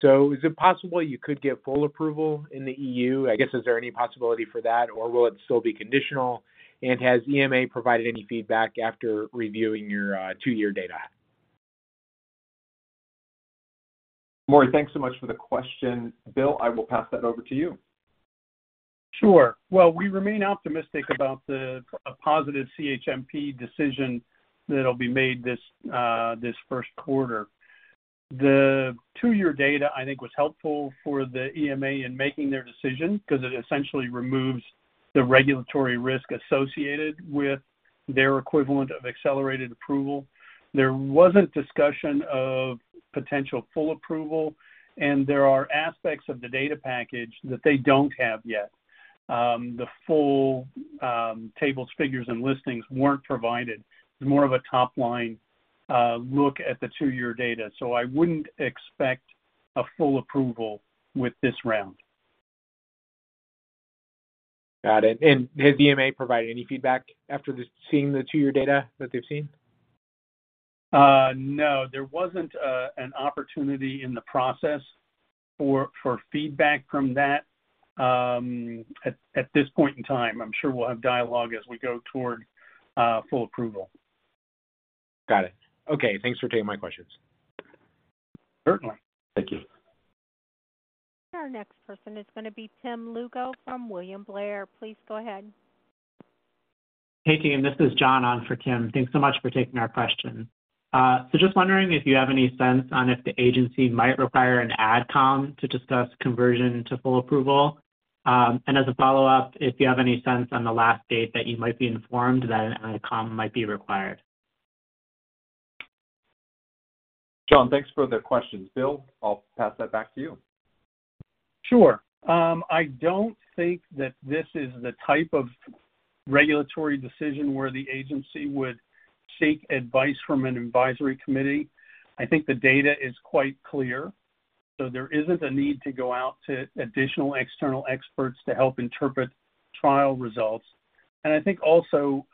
So is it possible you could get full approval in the EU? I guess, is there any possibility for that, or will it still be conditional? And has EMA provided any feedback after reviewing your two-year data? Maury, thanks so much for the question. Bill, I will pass that over to you. Sure. Well, we remain optimistic about a positive CHMP decision that'll be made this first quarter. The two-year data, I think, was helpful for the EMA in making their decision because it essentially removes the regulatory risk associated with their equivalent of accelerated approval. There wasn't discussion of potential full approval, and there are aspects of the data package that they don't have yet. The full tables, figures, and listings weren't provided. It's more of a top-line look at the two-year data. So I wouldn't expect a full approval with this round. Got it. And has EMA provided any feedback after seeing the two-year data that they've seen? No. There wasn't an opportunity in the process for feedback from that at this point in time. I'm sure we'll have dialogue as we go toward full approval. Got it. Okay. Thanks for taking my questions. Certainly. Thank you. Our next person is going to be Tim Lugo from William Blair. Please go ahead. Hey, team. This is John on for Tim. Thanks so much for taking our question. Just wondering if you have any sense on if the agency might require an ad-com to discuss conversion to full approval? And as a follow-up, if you have any sense on the last date that you might be informed that an ad-com might be required? John, thanks for the questions. Bill, I'll pass that back to you. Sure. I don't think that this is the type of regulatory decision where the agency would seek advice from an advisory committee. I think the data is quite clear, so there isn't a need to go out to additional external experts to help interpret trial results. And I think also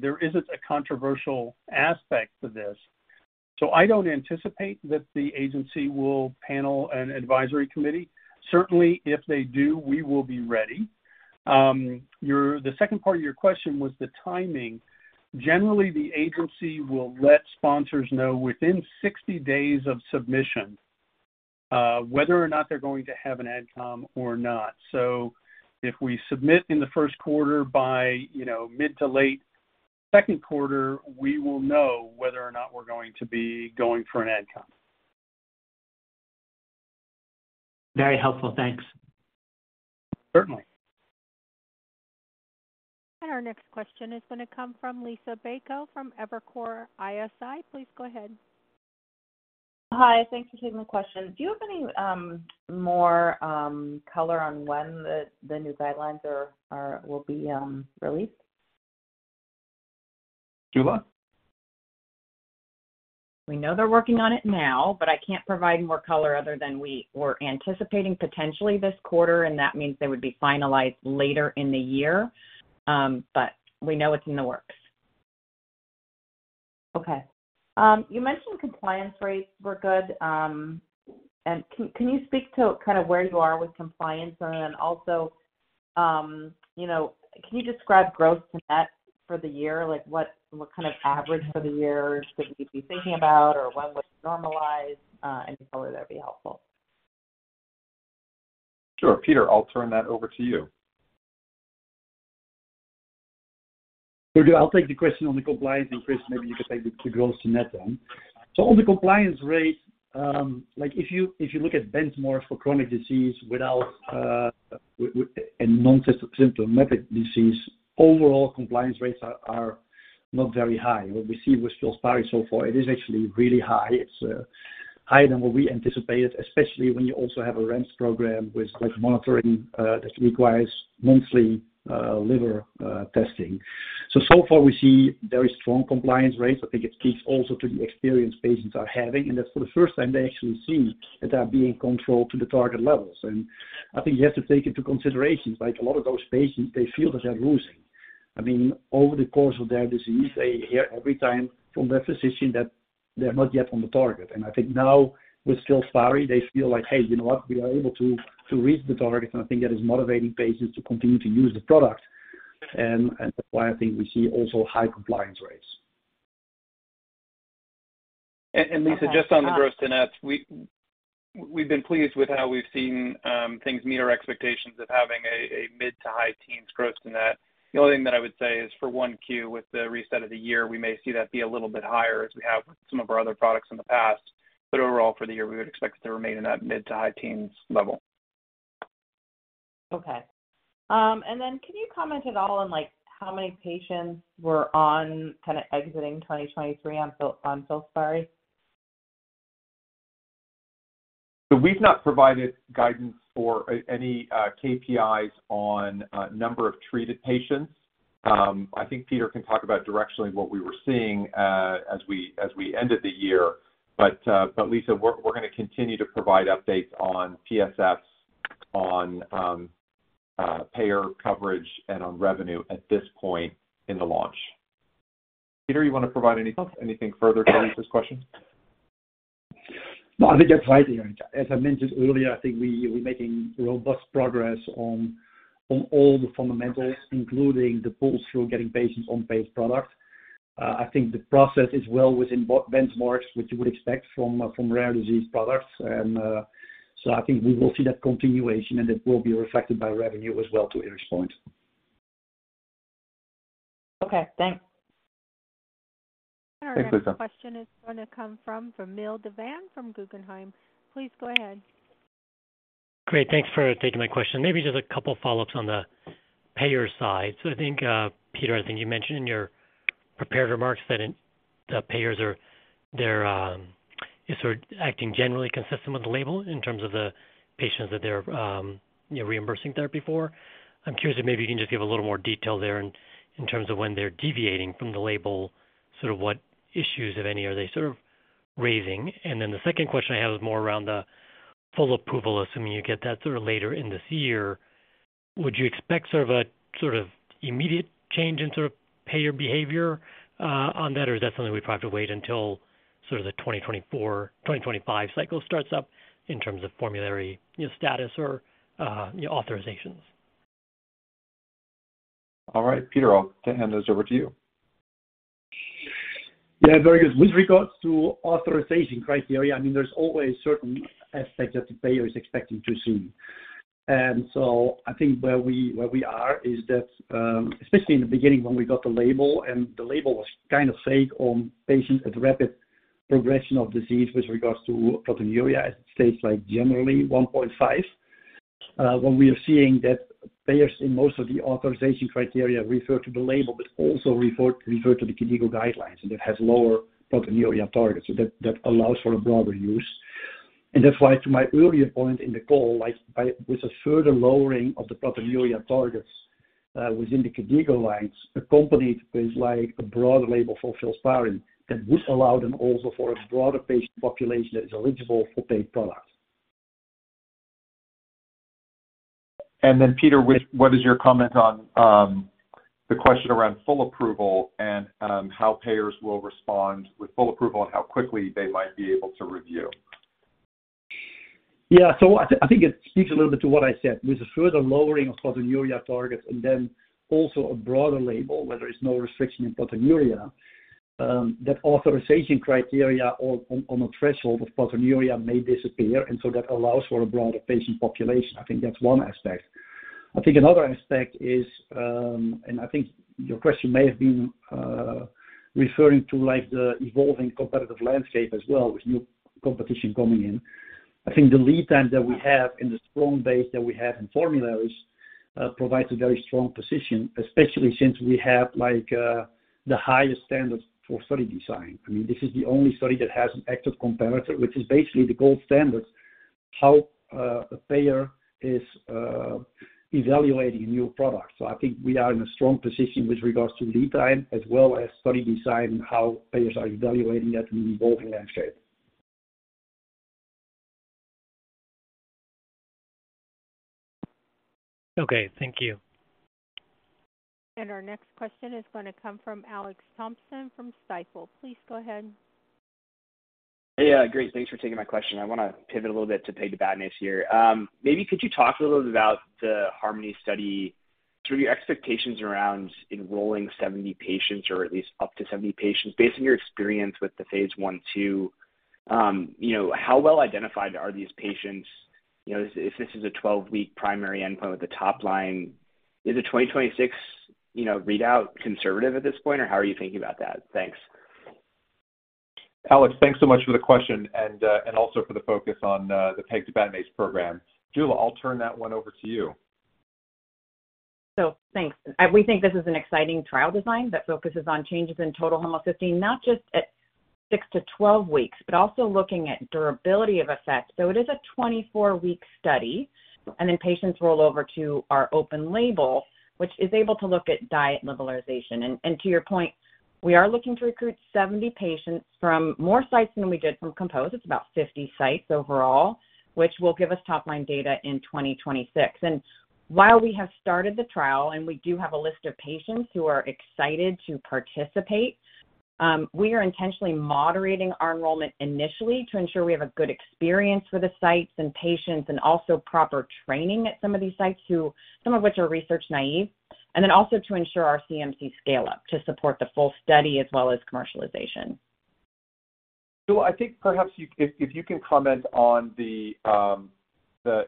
there isn't a controversial aspect to this. So I don't anticipate that the agency will panel an advisory committee. Certainly, if they do, we will be ready. The second part of your question was the timing. Generally, the agency will let sponsors know within 60 days of submission whether or not they're going to have an ad-com or not. So if we submit in the first quarter by mid to late second quarter, we will know whether or not we're going to be going for an ad-com. Very helpful. Thanks. Certainly. Our next question is going to come from Liisa Bayko from Evercore ISI. Please go ahead. Hi. Thanks for taking the question. Do you have any more color on when the new guidelines will be released? Jula? We know they're working on it now, but I can't provide more color other than we're anticipating potentially this quarter, and that means they would be finalized later in the year. But we know it's in the works. Okay. You mentioned compliance rates were good. And can you speak to kind of where you are with compliance? And then also, can you describe gross-to-net for the year? What kind of average for the year should we be thinking about, or when would it normalize? Any color there would be helpful. Sure. Peter, I'll turn that over to you. So I'll take the question on the compliance, and Chris, maybe you could take the gross-to-net then. So on the compliance rate, if you look at benchmarks for chronic disease and nonsymptomatic disease, overall compliance rates are not very high. What we see with Filspari so far, it is actually really high. It's higher than what we anticipated, especially when you also have a REMS program with monitoring that requires monthly liver testing. So so far, we see very strong compliance rates. I think it speaks also to the experience patients are having. And that's for the first time they actually see that they're being controlled to the target levels. And I think you have to take into consideration a lot of those patients, they feel that they're losing. I mean, over the course of their disease, they hear every time from their physician that they're not yet on the target. I think now with Filspari, they feel like, "Hey, you know what? We are able to reach the target," and I think that is motivating patients to continue to use the product. That's why I think we see also high compliance rates. Liisa, just on the gross-to-net, we've been pleased with how we've seen things meet our expectations of having a mid- to high-teens gross-to-net. The only thing that I would say is for 1Q, with the reset of the year, we may see that be a little bit higher as we have with some of our other products in the past. But overall, for the year, we would expect it to remain in that mid- to high-teens level. Okay. And then can you comment at all on how many patients were on kind of exiting 2023 on Filspari? We've not provided guidance for any KPIs on number of treated patients. I think Peter can talk about directionally what we were seeing as we ended the year. But Liisa, we're going to continue to provide updates on PSFs, on payer coverage, and on revenue at this point in the launch. Peter, you want to provide anything further to Liisa's question? No, I think that's right. As I mentioned earlier, I think we're making robust progress on all the fundamentals, including the pull through getting patients on paid products. I think the process is well within benchmarks, which you would expect from rare disease products. And so I think we will see that continuation, and it will be reflected by revenue as well too at this point. Okay. Thanks. Our next question is going to come from Vamil Divan from Guggenheim. Please go ahead. Great. Thanks for taking my question. Maybe just a couple of follow-ups on the payer side. So I think, Peter, I think you mentioned in your prepared remarks that the payers are sort of acting generally consistent with the label in terms of the patients that they're reimbursing therapy for. I'm curious if maybe you can just give a little more detail there in terms of when they're deviating from the label, sort of what issues, if any, are they sort of raising? And then the second question I have is more around the full approval, assuming you get that sort of later in this year. Would you expect sort of an immediate change in sort of payer behavior on that, or is that something we'd probably have to wait until sort of the 2024-2025 cycle starts up in terms of formulary status or authorizations? All right. Peter, I'll hand those over to you. Yeah, very good. With regards to authorization criteria, I mean, there's always certain aspects that the payer is expecting to see. And so I think where we are is that, especially in the beginning when we got the label, and the label was kind of focused on patients with rapid progression of disease with regards to proteinuria, as it states generally 1.5, when we are seeing that payers in most of the authorization criteria refer to the label but also refer to the KDIGO guidelines, and it has lower proteinuria targets. So that allows for a broader use. And that's why, to my earlier point in the call, with a further lowering of the proteinuria targets within the KDIGO guidelines accompanied with a broader label for Filspari, that would allow them also for a broader patient population that is eligible for paid products. And then, Peter, what is your comment on the question around full approval and how payers will respond with full approval and how quickly they might be able to review? Yeah. So I think it speaks a little bit to what I said. With a further lowering of proteinuria targets and then also a broader label, whether it's no restriction in proteinuria, that authorization criteria on a threshold of proteinuria may disappear. And so that allows for a broader patient population. I think that's one aspect. I think another aspect is, and I think your question may have been referring to the evolving competitive landscape as well with new competition coming in. I think the lead time that we have and the strong base that we have in formularies provides a very strong position, especially since we have the highest standards for study design. I mean, this is the only study that has an active competitor, which is basically the gold standards, how a payer is evaluating a new product. I think we are in a strong position with regards to lead time as well as study design and how payers are evaluating that in the evolving landscape. Okay. Thank you. Our next question is going to come from Alex Thompson from Stifel. Please go ahead. Yeah. Great. Thanks for taking my question. I want to pivot a little bit to rare diseases here. Maybe could you talk a little bit about the HARMONY Study, sort of your expectations around enrolling 70 patients or at least up to 70 patients? Based on your experience with the Phase 1/2, how well identified are these patients? If this is a 12-week primary endpoint with the top line, is a 2026 readout conservative at this point, or how are you thinking about that? Thanks. Alex, thanks so much for the question and also for the focus on the pegtibatinase program. Jula, I'll turn that one over to you. So thanks. We think this is an exciting trial design that focuses on changes in total homocysteine, not just at 6-12 weeks, but also looking at durability of effect. So it is a 24-week study, and then patients roll over to our open label, which is able to look at diet liberalization. And to your point, we are looking to recruit 70 patients from more sites than we did from COMPOSE. It's about 50 sites overall, which will give us top-line data in 2026. While we have started the trial and we do have a list of patients who are excited to participate, we are intentionally moderating our enrollment initially to ensure we have a good experience for the sites and patients and also proper training at some of these sites, some of which are research naive, and then also to ensure our CMC scale-up to support the full study as well as commercialization. Jula, I think perhaps if you can comment on the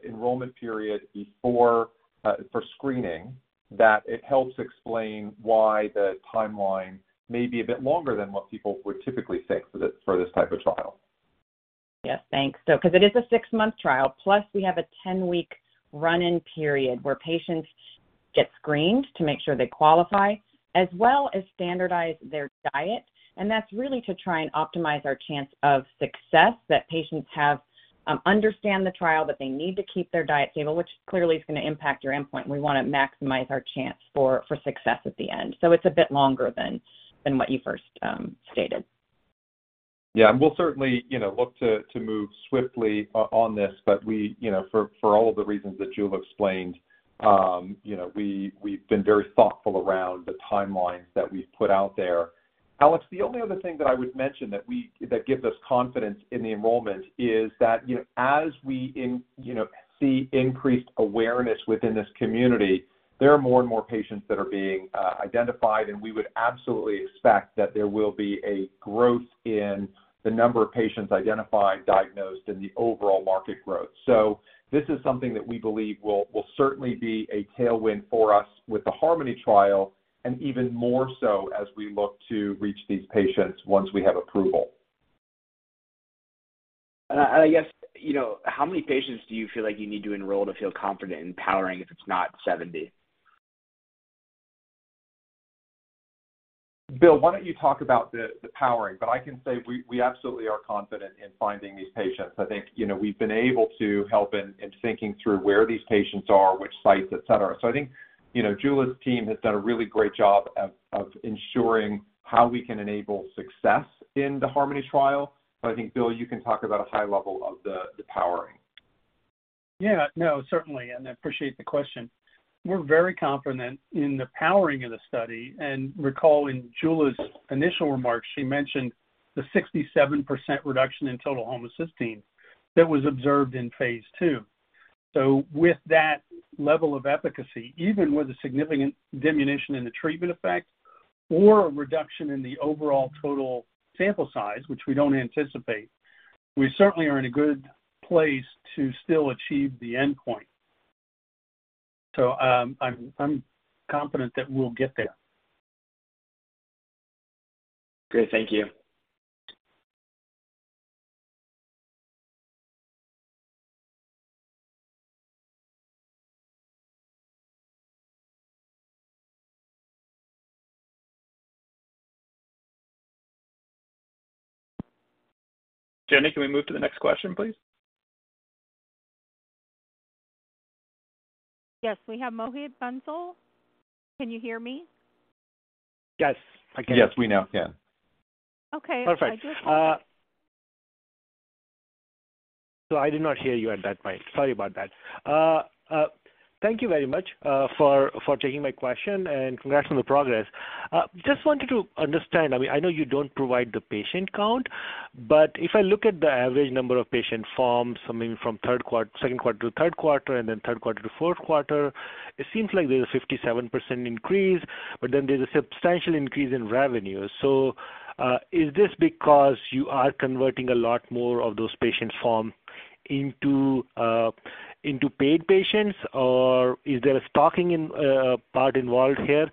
enrollment period for screening, that it helps explain why the timeline may be a bit longer than what people would typically think for this type of trial. Yes. Thanks. Because it is a six-month trial, plus we have a 10-week run-in period where patients get screened to make sure they qualify, as well as standardize their diet. And that's really to try and optimize our chance of success, that patients understand the trial, that they need to keep their diet stable, which clearly is going to impact your endpoint. We want to maximize our chance for success at the end. So it's a bit longer than what you first stated. Yeah. And we'll certainly look to move swiftly on this, but for all of the reasons that Jula explained, we've been very thoughtful around the timelines that we've put out there. Alex, the only other thing that I would mention that gives us confidence in the enrollment is that as we see increased awareness within this community, there are more and more patients that are being identified, and we would absolutely expect that there will be a growth in the number of patients identified, diagnosed, and the overall market growth. So this is something that we believe will certainly be a tailwind for us with the HARMONY trial and even more so as we look to reach these patients once we have approval. I guess, how many patients do you feel like you need to enroll to feel confident in powering if it's not 70? Bill, why don't you talk about the powering? But I can say we absolutely are confident in finding these patients. I think we've been able to help in thinking through where these patients are, which sites, etc. So I think Jula's team has done a really great job of ensuring how we can enable success in the HARMONY trial. But I think, Bill, you can talk about a high level of the powering. Yeah. No, certainly. And I appreciate the question. We're very confident in the powering of the study. And recall in Jula's initial remarks, she mentioned the 67% reduction in total homocysteine that was observed in Phase 2. So with that level of efficacy, even with a significant diminution in the treatment effect or a reduction in the overall total sample size, which we don't anticipate, we certainly are in a good place to still achieve the endpoint. So I'm confident that we'll get there. Great. Thank you. Jenny, can we move to the next question, please? Yes. We have Mohit Bansal. Can you hear me? Yes. I can. Yes. We now can. Okay. Perfect. So I did not hear you at that point. Sorry about that. Thank you very much for taking my question, and congrats on the progress. Just wanted to understand. I mean, I know you don't provide the patient count, but if I look at the average number of patient forms, I mean, from second quarter to third quarter and then third quarter to fourth quarter, it seems like there's a 57% increase, but then there's a substantial increase in revenue. So is this because you are converting a lot more of those patient forms into paid patients, or is there a stocking part involved here?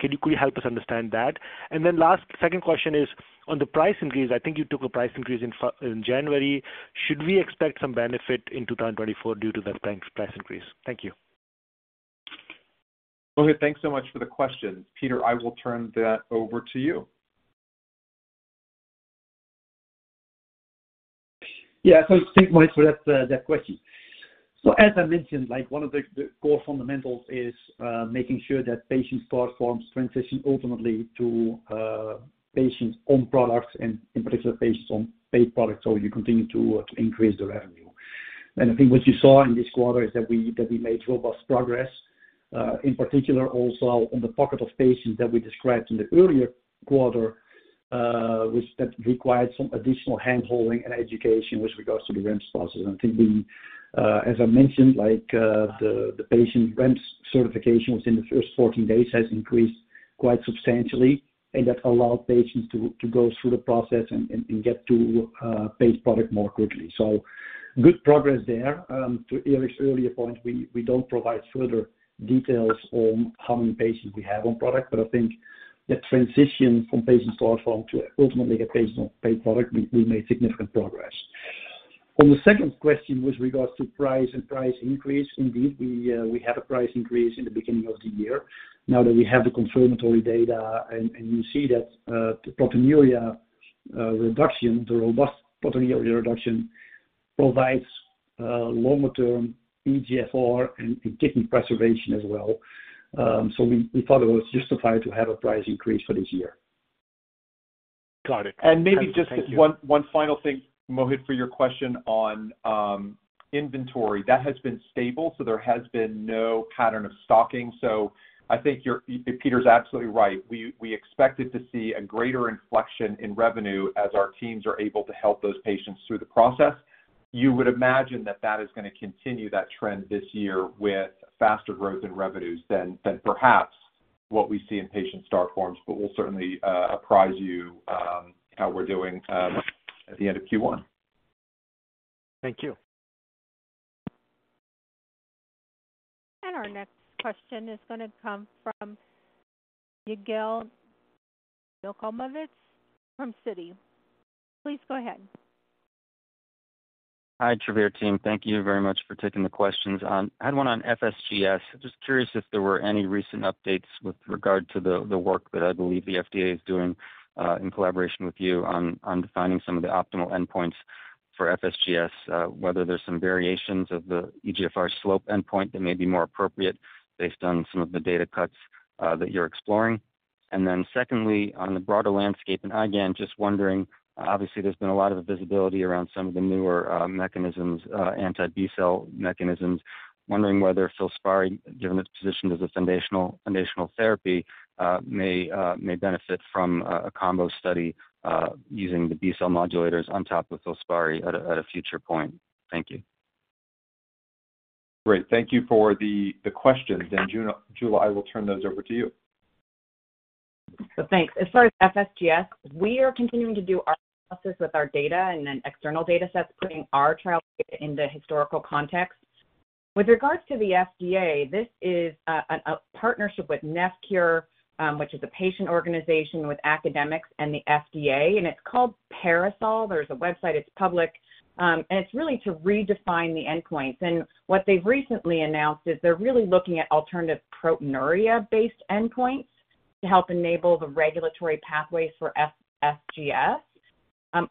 Could you help us understand that? And then last second question is, on the price increase, I think you took a price increase in January. Should we expect some benefit in 2024 due to that price increase? Thank you. Mohit, thanks so much for the question. Peter, I will turn that over to you. Yeah. So thanks, Mohit, for that question. So as I mentioned, one of the core fundamentals is making sure that patient start forms transition ultimately to patients on products and, in particular, patients on paid products, so you continue to increase the revenue. And I think what you saw in this quarter is that we made robust progress, in particular, also on the pocket of patients that we described in the earlier quarter, which required some additional handholding and education with regards to the REMS process. And I think, as I mentioned, the patient REMS certification within the first 14 days has increased quite substantially, and that allowed patients to go through the process and get to paid product more quickly. So good progress there. To Eric's earlier point, we don't provide further details on how many patients we have on product, but I think that transition from patient start form to ultimately get patients on paid product, we made significant progress. On the second question with regards to price and price increase, indeed, we had a price increase in the beginning of the year. Now that we have the confirmatory data, and you see that the proteinuria reduction, the robust proteinuria reduction, provides longer-term eGFR and kidney preservation as well. So we thought it was justified to have a price increase for this year. Got it. And maybe just one final thing, Mohit, for your question on inventory. That has been stable, so there has been no pattern of stocking. So I think Peter's absolutely right. We expect it to see a greater inflection in revenue as our teams are able to help those patients through the process. You would imagine that that is going to continue that trend this year with faster growth in revenues than perhaps what we see in patient start forms, but we'll certainly apprise you how we're doing at the end of Q1. Thank you. Our next question is going to come from Yigal Nochomovitz from Citi. Please go ahead. Hi, Travere team. Thank you very much for taking the questions. I had one on FSGS. Just curious if there were any recent updates with regard to the work that I believe the FDA is doing in collaboration with you on defining some of the optimal endpoints for FSGS, whether there's some variations of the eGFR slope endpoint that may be more appropriate based on some of the data cuts that you're exploring. And then secondly, on the broader landscape, and again, just wondering, obviously, there's been a lot of visibility around some of the newer anti-B-cell mechanisms. Wondering whether Filspari, given its position as a foundational therapy, may benefit from a combo study using the B-cell modulators on top of Filspari at a future point. Thank you. Great. Thank you for the questions. Jula, I will turn those over to you. So thanks. As far as FSGS, we are continuing to do our analysis with our data and then external datasets, putting our trial data into historical context. With regards to the FDA, this is a partnership with NephCure, which is a patient organization with academics and the FDA, and it's called PARASOL. There's a website. It's public. It's really to redefine the endpoints. What they've recently announced is they're really looking at alternative proteinuria-based endpoints to help enable the regulatory pathways for FSGS.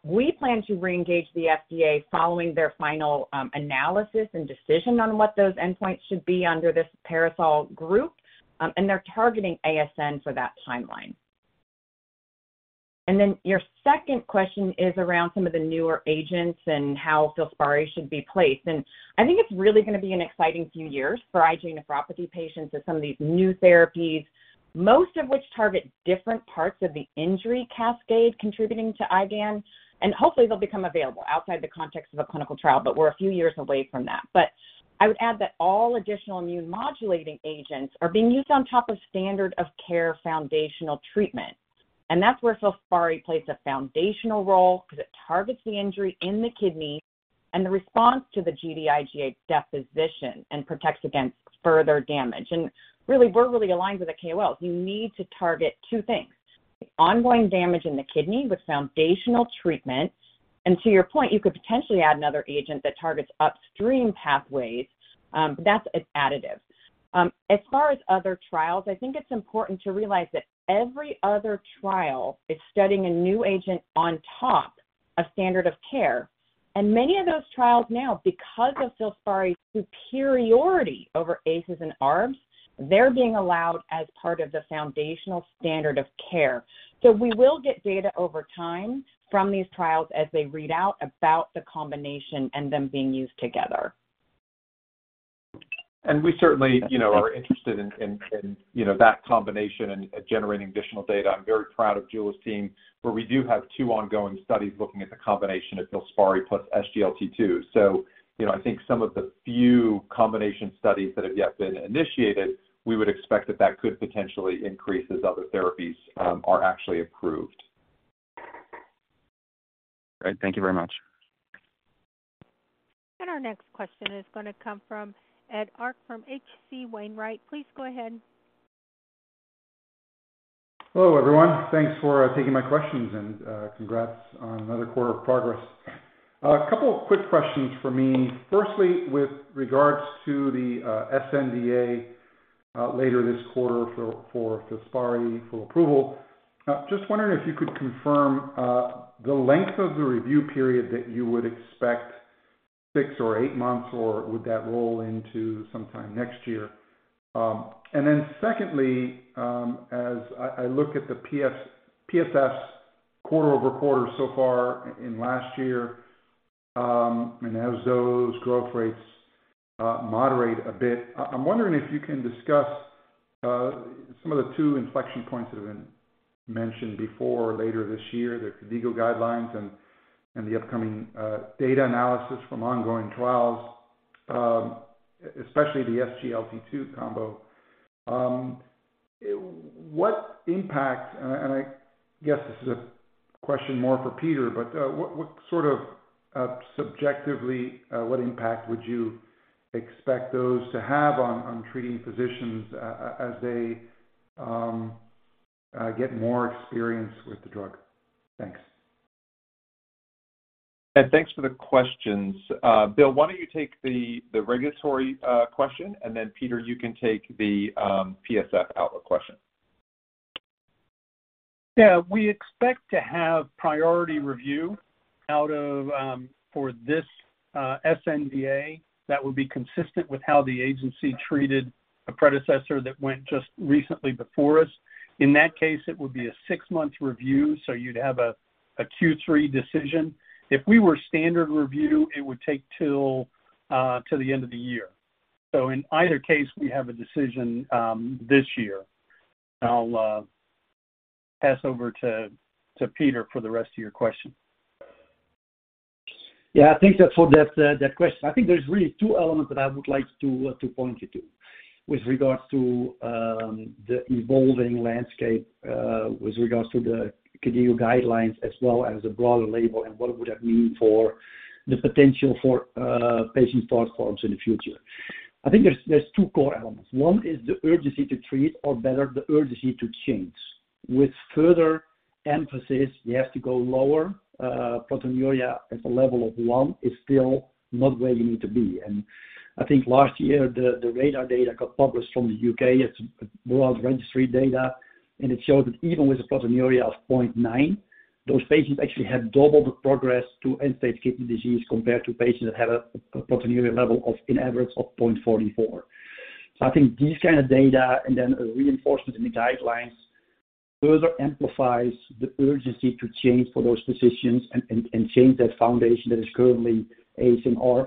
We plan to reengage the FDA following their final analysis and decision on what those endpoints should be under this PARASOL group, and they're targeting ASN for that timeline. Then your second question is around some of the newer agents and how Filspari should be placed. I think it's really going to be an exciting few years for IgA nephropathy patients as some of these new therapies, most of which target different parts of the injury cascade contributing to IgAN. Hopefully, they'll become available outside the context of a clinical trial, but we're a few years away from that. But I would add that all additional immune-modulating agents are being used on top of standard-of-care foundational treatment. That's where Filspari plays a foundational role because it targets the injury in the kidney and the response to the IgA deposition and protects against further damage. And really, we're really aligned with the KOLs. You need to target two things: ongoing damage in the kidney with foundational treatment. To your point, you could potentially add another agent that targets upstream pathways, but that's an additive. As far as other trials, I think it's important to realize that every other trial is studying a new agent on top of standard-of-care. Many of those trials now, because of Filspari's superiority over ACEs and ARBs, they're being allowed as part of the foundational standard of care. We will get data over time from these trials as they read out about the combination and them being used together. We certainly are interested in that combination and generating additional data. I'm very proud of Jula's team, where we do have two ongoing studies looking at the combination of Filspari plus SGLT2. I think some of the few combination studies that have yet been initiated, we would expect that that could potentially increase as other therapies are actually approved. Great. Thank you very much. Our next question is going to come from Ed Arce from H.C. Wainwright. Please go ahead. Hello, everyone. Thanks for taking my questions, and congrats on another quarter of progress. A couple of quick questions for me. Firstly, with regards to the sNDA later this quarter for Filspari for approval, just wondering if you could confirm the length of the review period that you would expect, six or eight months, or would that roll into sometime next year? And then secondly, as I look at the PSFs quarter-over-quarter so far in last year and as those growth rates moderate a bit, I'm wondering if you can discuss some of the two inflection points that have been mentioned before or later this year, the KDIGO guidelines and the upcoming data analysis from ongoing trials, especially the SGLT2 combo. I guess this is a question more for Peter, but what sort of, subjectively, what impact would you expect those to have on treating physicians as they get more experience with the drug? Thanks. Yeah. Thanks for the questions. Bill, why don't you take the regulatory question, and then Peter, you can take the PSF outlook question. Yeah. We expect to have priority review for this sNDA that would be consistent with how the agency treated a predecessor that went just recently before us. In that case, it would be a six-month review, so you'd have a Q3 decision. If we were standard review, it would take till the end of the year. So in either case, we have a decision this year. And I'll pass over to Peter for the rest of your question. Yeah. I think that's for that question. I think there's really two elements that I would like to point you to with regards to the evolving landscape with regards to the KDIGO guidelines as well as the broader label and what would that mean for the potential for patient start forms in the future. I think there's two core elements. One is the urgency to treat, or better, the urgency to change. With further emphasis, you have to go lower. Proteinuria at the level of 1 is still not where you need to be. And I think last year, the RaDaR data got published from the UK. It's broad registry data, and it showed that even with a proteinuria of 0.9, those patients actually had doubled the progress to end-stage kidney disease compared to patients that have a proteinuria level of, on average, 0.44. So I think these kind of data and then a reinforcement in the guidelines further amplifies the urgency to change for those physicians and change that foundation that is currently ACE and ARBs and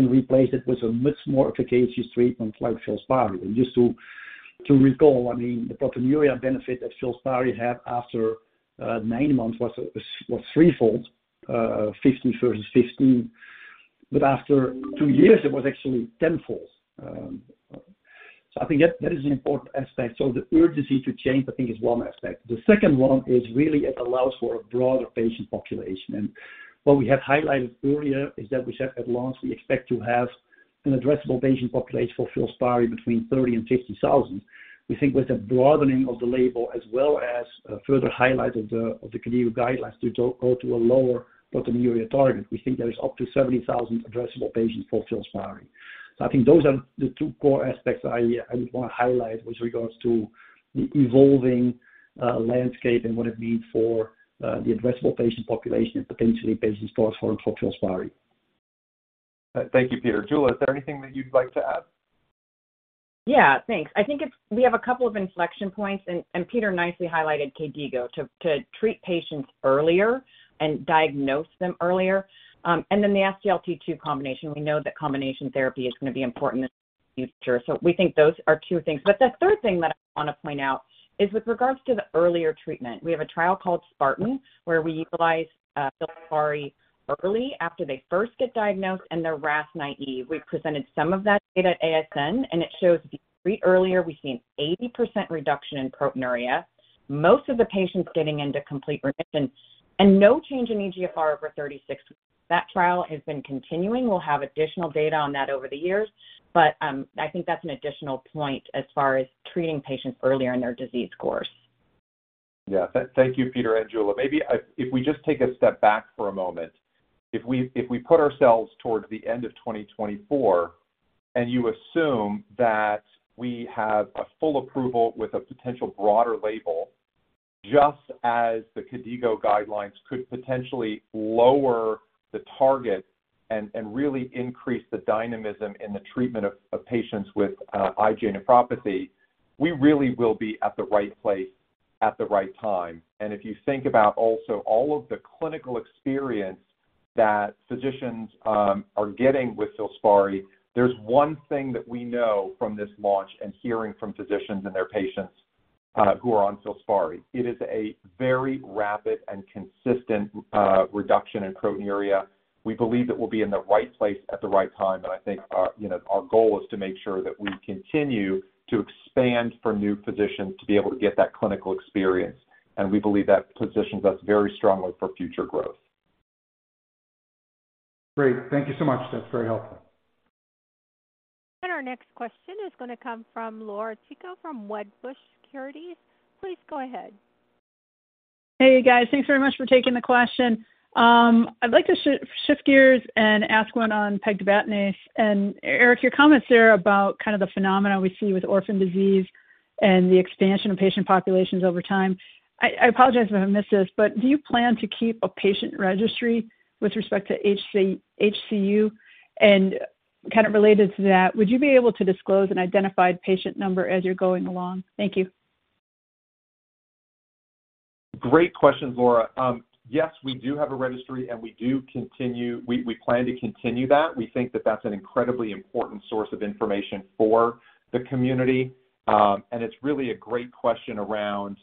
replace it with a much more efficacious treatment like Filspari. And just to recall, I mean, the proteinuria benefit that Filspari had after nine months was threefold, 50 versus 15. But after two years, it was actually tenfold. So I think that is an important aspect. So the urgency to change, I think, is one aspect. The second one is really it allows for a broader patient population. And what we had highlighted earlier is that we said at launch, we expect to have an addressable patient population for Filspari between 30,000-50,000. We think with the broadening of the label as well as further highlight of the KDIGO guidelines to go to a lower proteinuria target, we think there is up to 70,000 addressable patients for Filspari. So I think those are the two core aspects I would want to highlight with regards to the evolving landscape and what it means for the addressable patient population and potentially patient start forms for Filspari. Thank you, Peter. Jula, is there anything that you'd like to add? Yeah. Thanks. I think we have a couple of inflection points, and Peter nicely highlighted KDIGO, to treat patients earlier and diagnose them earlier. And then the SGLT2 combination. We know that combination therapy is going to be important in the future. So we think those are two things. But the third thing that I want to point out is with regards to the earlier treatment, we have a trial called SPARTAN where we utilize Filspari early after they first get diagnosed and they're RAS-naïve. We presented some of that data at ASN, and it shows if you treat earlier, we see an 80% reduction in proteinuria, most of the patients getting into complete remission, and no change in eGFR over 36 weeks. That trial has been continuing. We'll have additional data on that over the years, but I think that's an additional point as far as treating patients earlier in their disease course. Yeah. Thank you, Peter and Jula. Maybe if we just take a step back for a moment, if we put ourselves towards the end of 2024 and you assume that we have a full approval with a potential broader label, just as the KDIGO guidelines could potentially lower the target and really increase the dynamism in the treatment of patients with IgA nephropathy, we really will be at the right place at the right time. And if you think about also all of the clinical experience that physicians are getting with Filspari, there's one thing that we know from this launch and hearing from physicians and their patients who are on Filspari. It is a very rapid and consistent reduction in proteinuria. We believe that we'll be in the right place at the right time. I think our goal is to make sure that we continue to expand for new physicians to be able to get that clinical experience. We believe that positions us very strongly for future growth. Great. Thank you so much. That's very helpful. Our next question is going to come from Laura Chico from Wedbush Securities. Please go ahead. Hey, you guys. Thanks very much for taking the question. I'd like to shift gears and ask one on pegtibatinase. And Eric, your comments there about kind of the phenomena we see with orphan disease and the expansion of patient populations over time. I apologize if I missed this, but do you plan to keep a patient registry with respect to HCU? And kind of related to that, would you be able to disclose an identified patient number as you're going along? Thank you. Great questions, Laura. Yes, we do have a registry, and we plan to continue that. We think that that's an incredibly important source of information for the community. It's really a great question around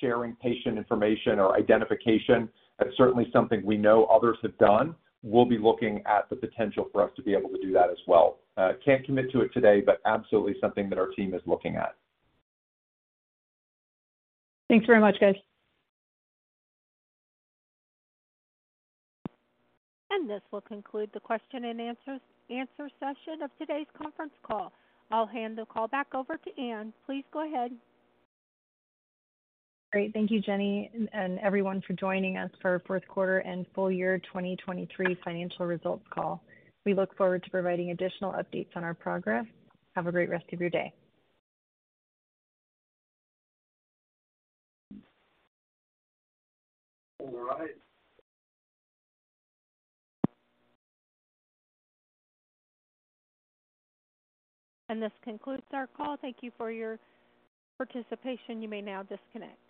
sharing patient information or identification. That's certainly something we know others have done. We'll be looking at the potential for us to be able to do that as well. Can't commit to it today, but absolutely something that our team is looking at. Thanks very much, guys. This will conclude the question-and-answer session of today's conference call. I'll hand the call back over to Anne. Please go ahead. Great. Thank you, Jenny, and everyone for joining us for our fourth quarter and full year 2023 financial results call. We look forward to providing additional updates on our progress. Have a great rest of your day. All right. This concludes our call. Thank you for your participation. You may now disconnect.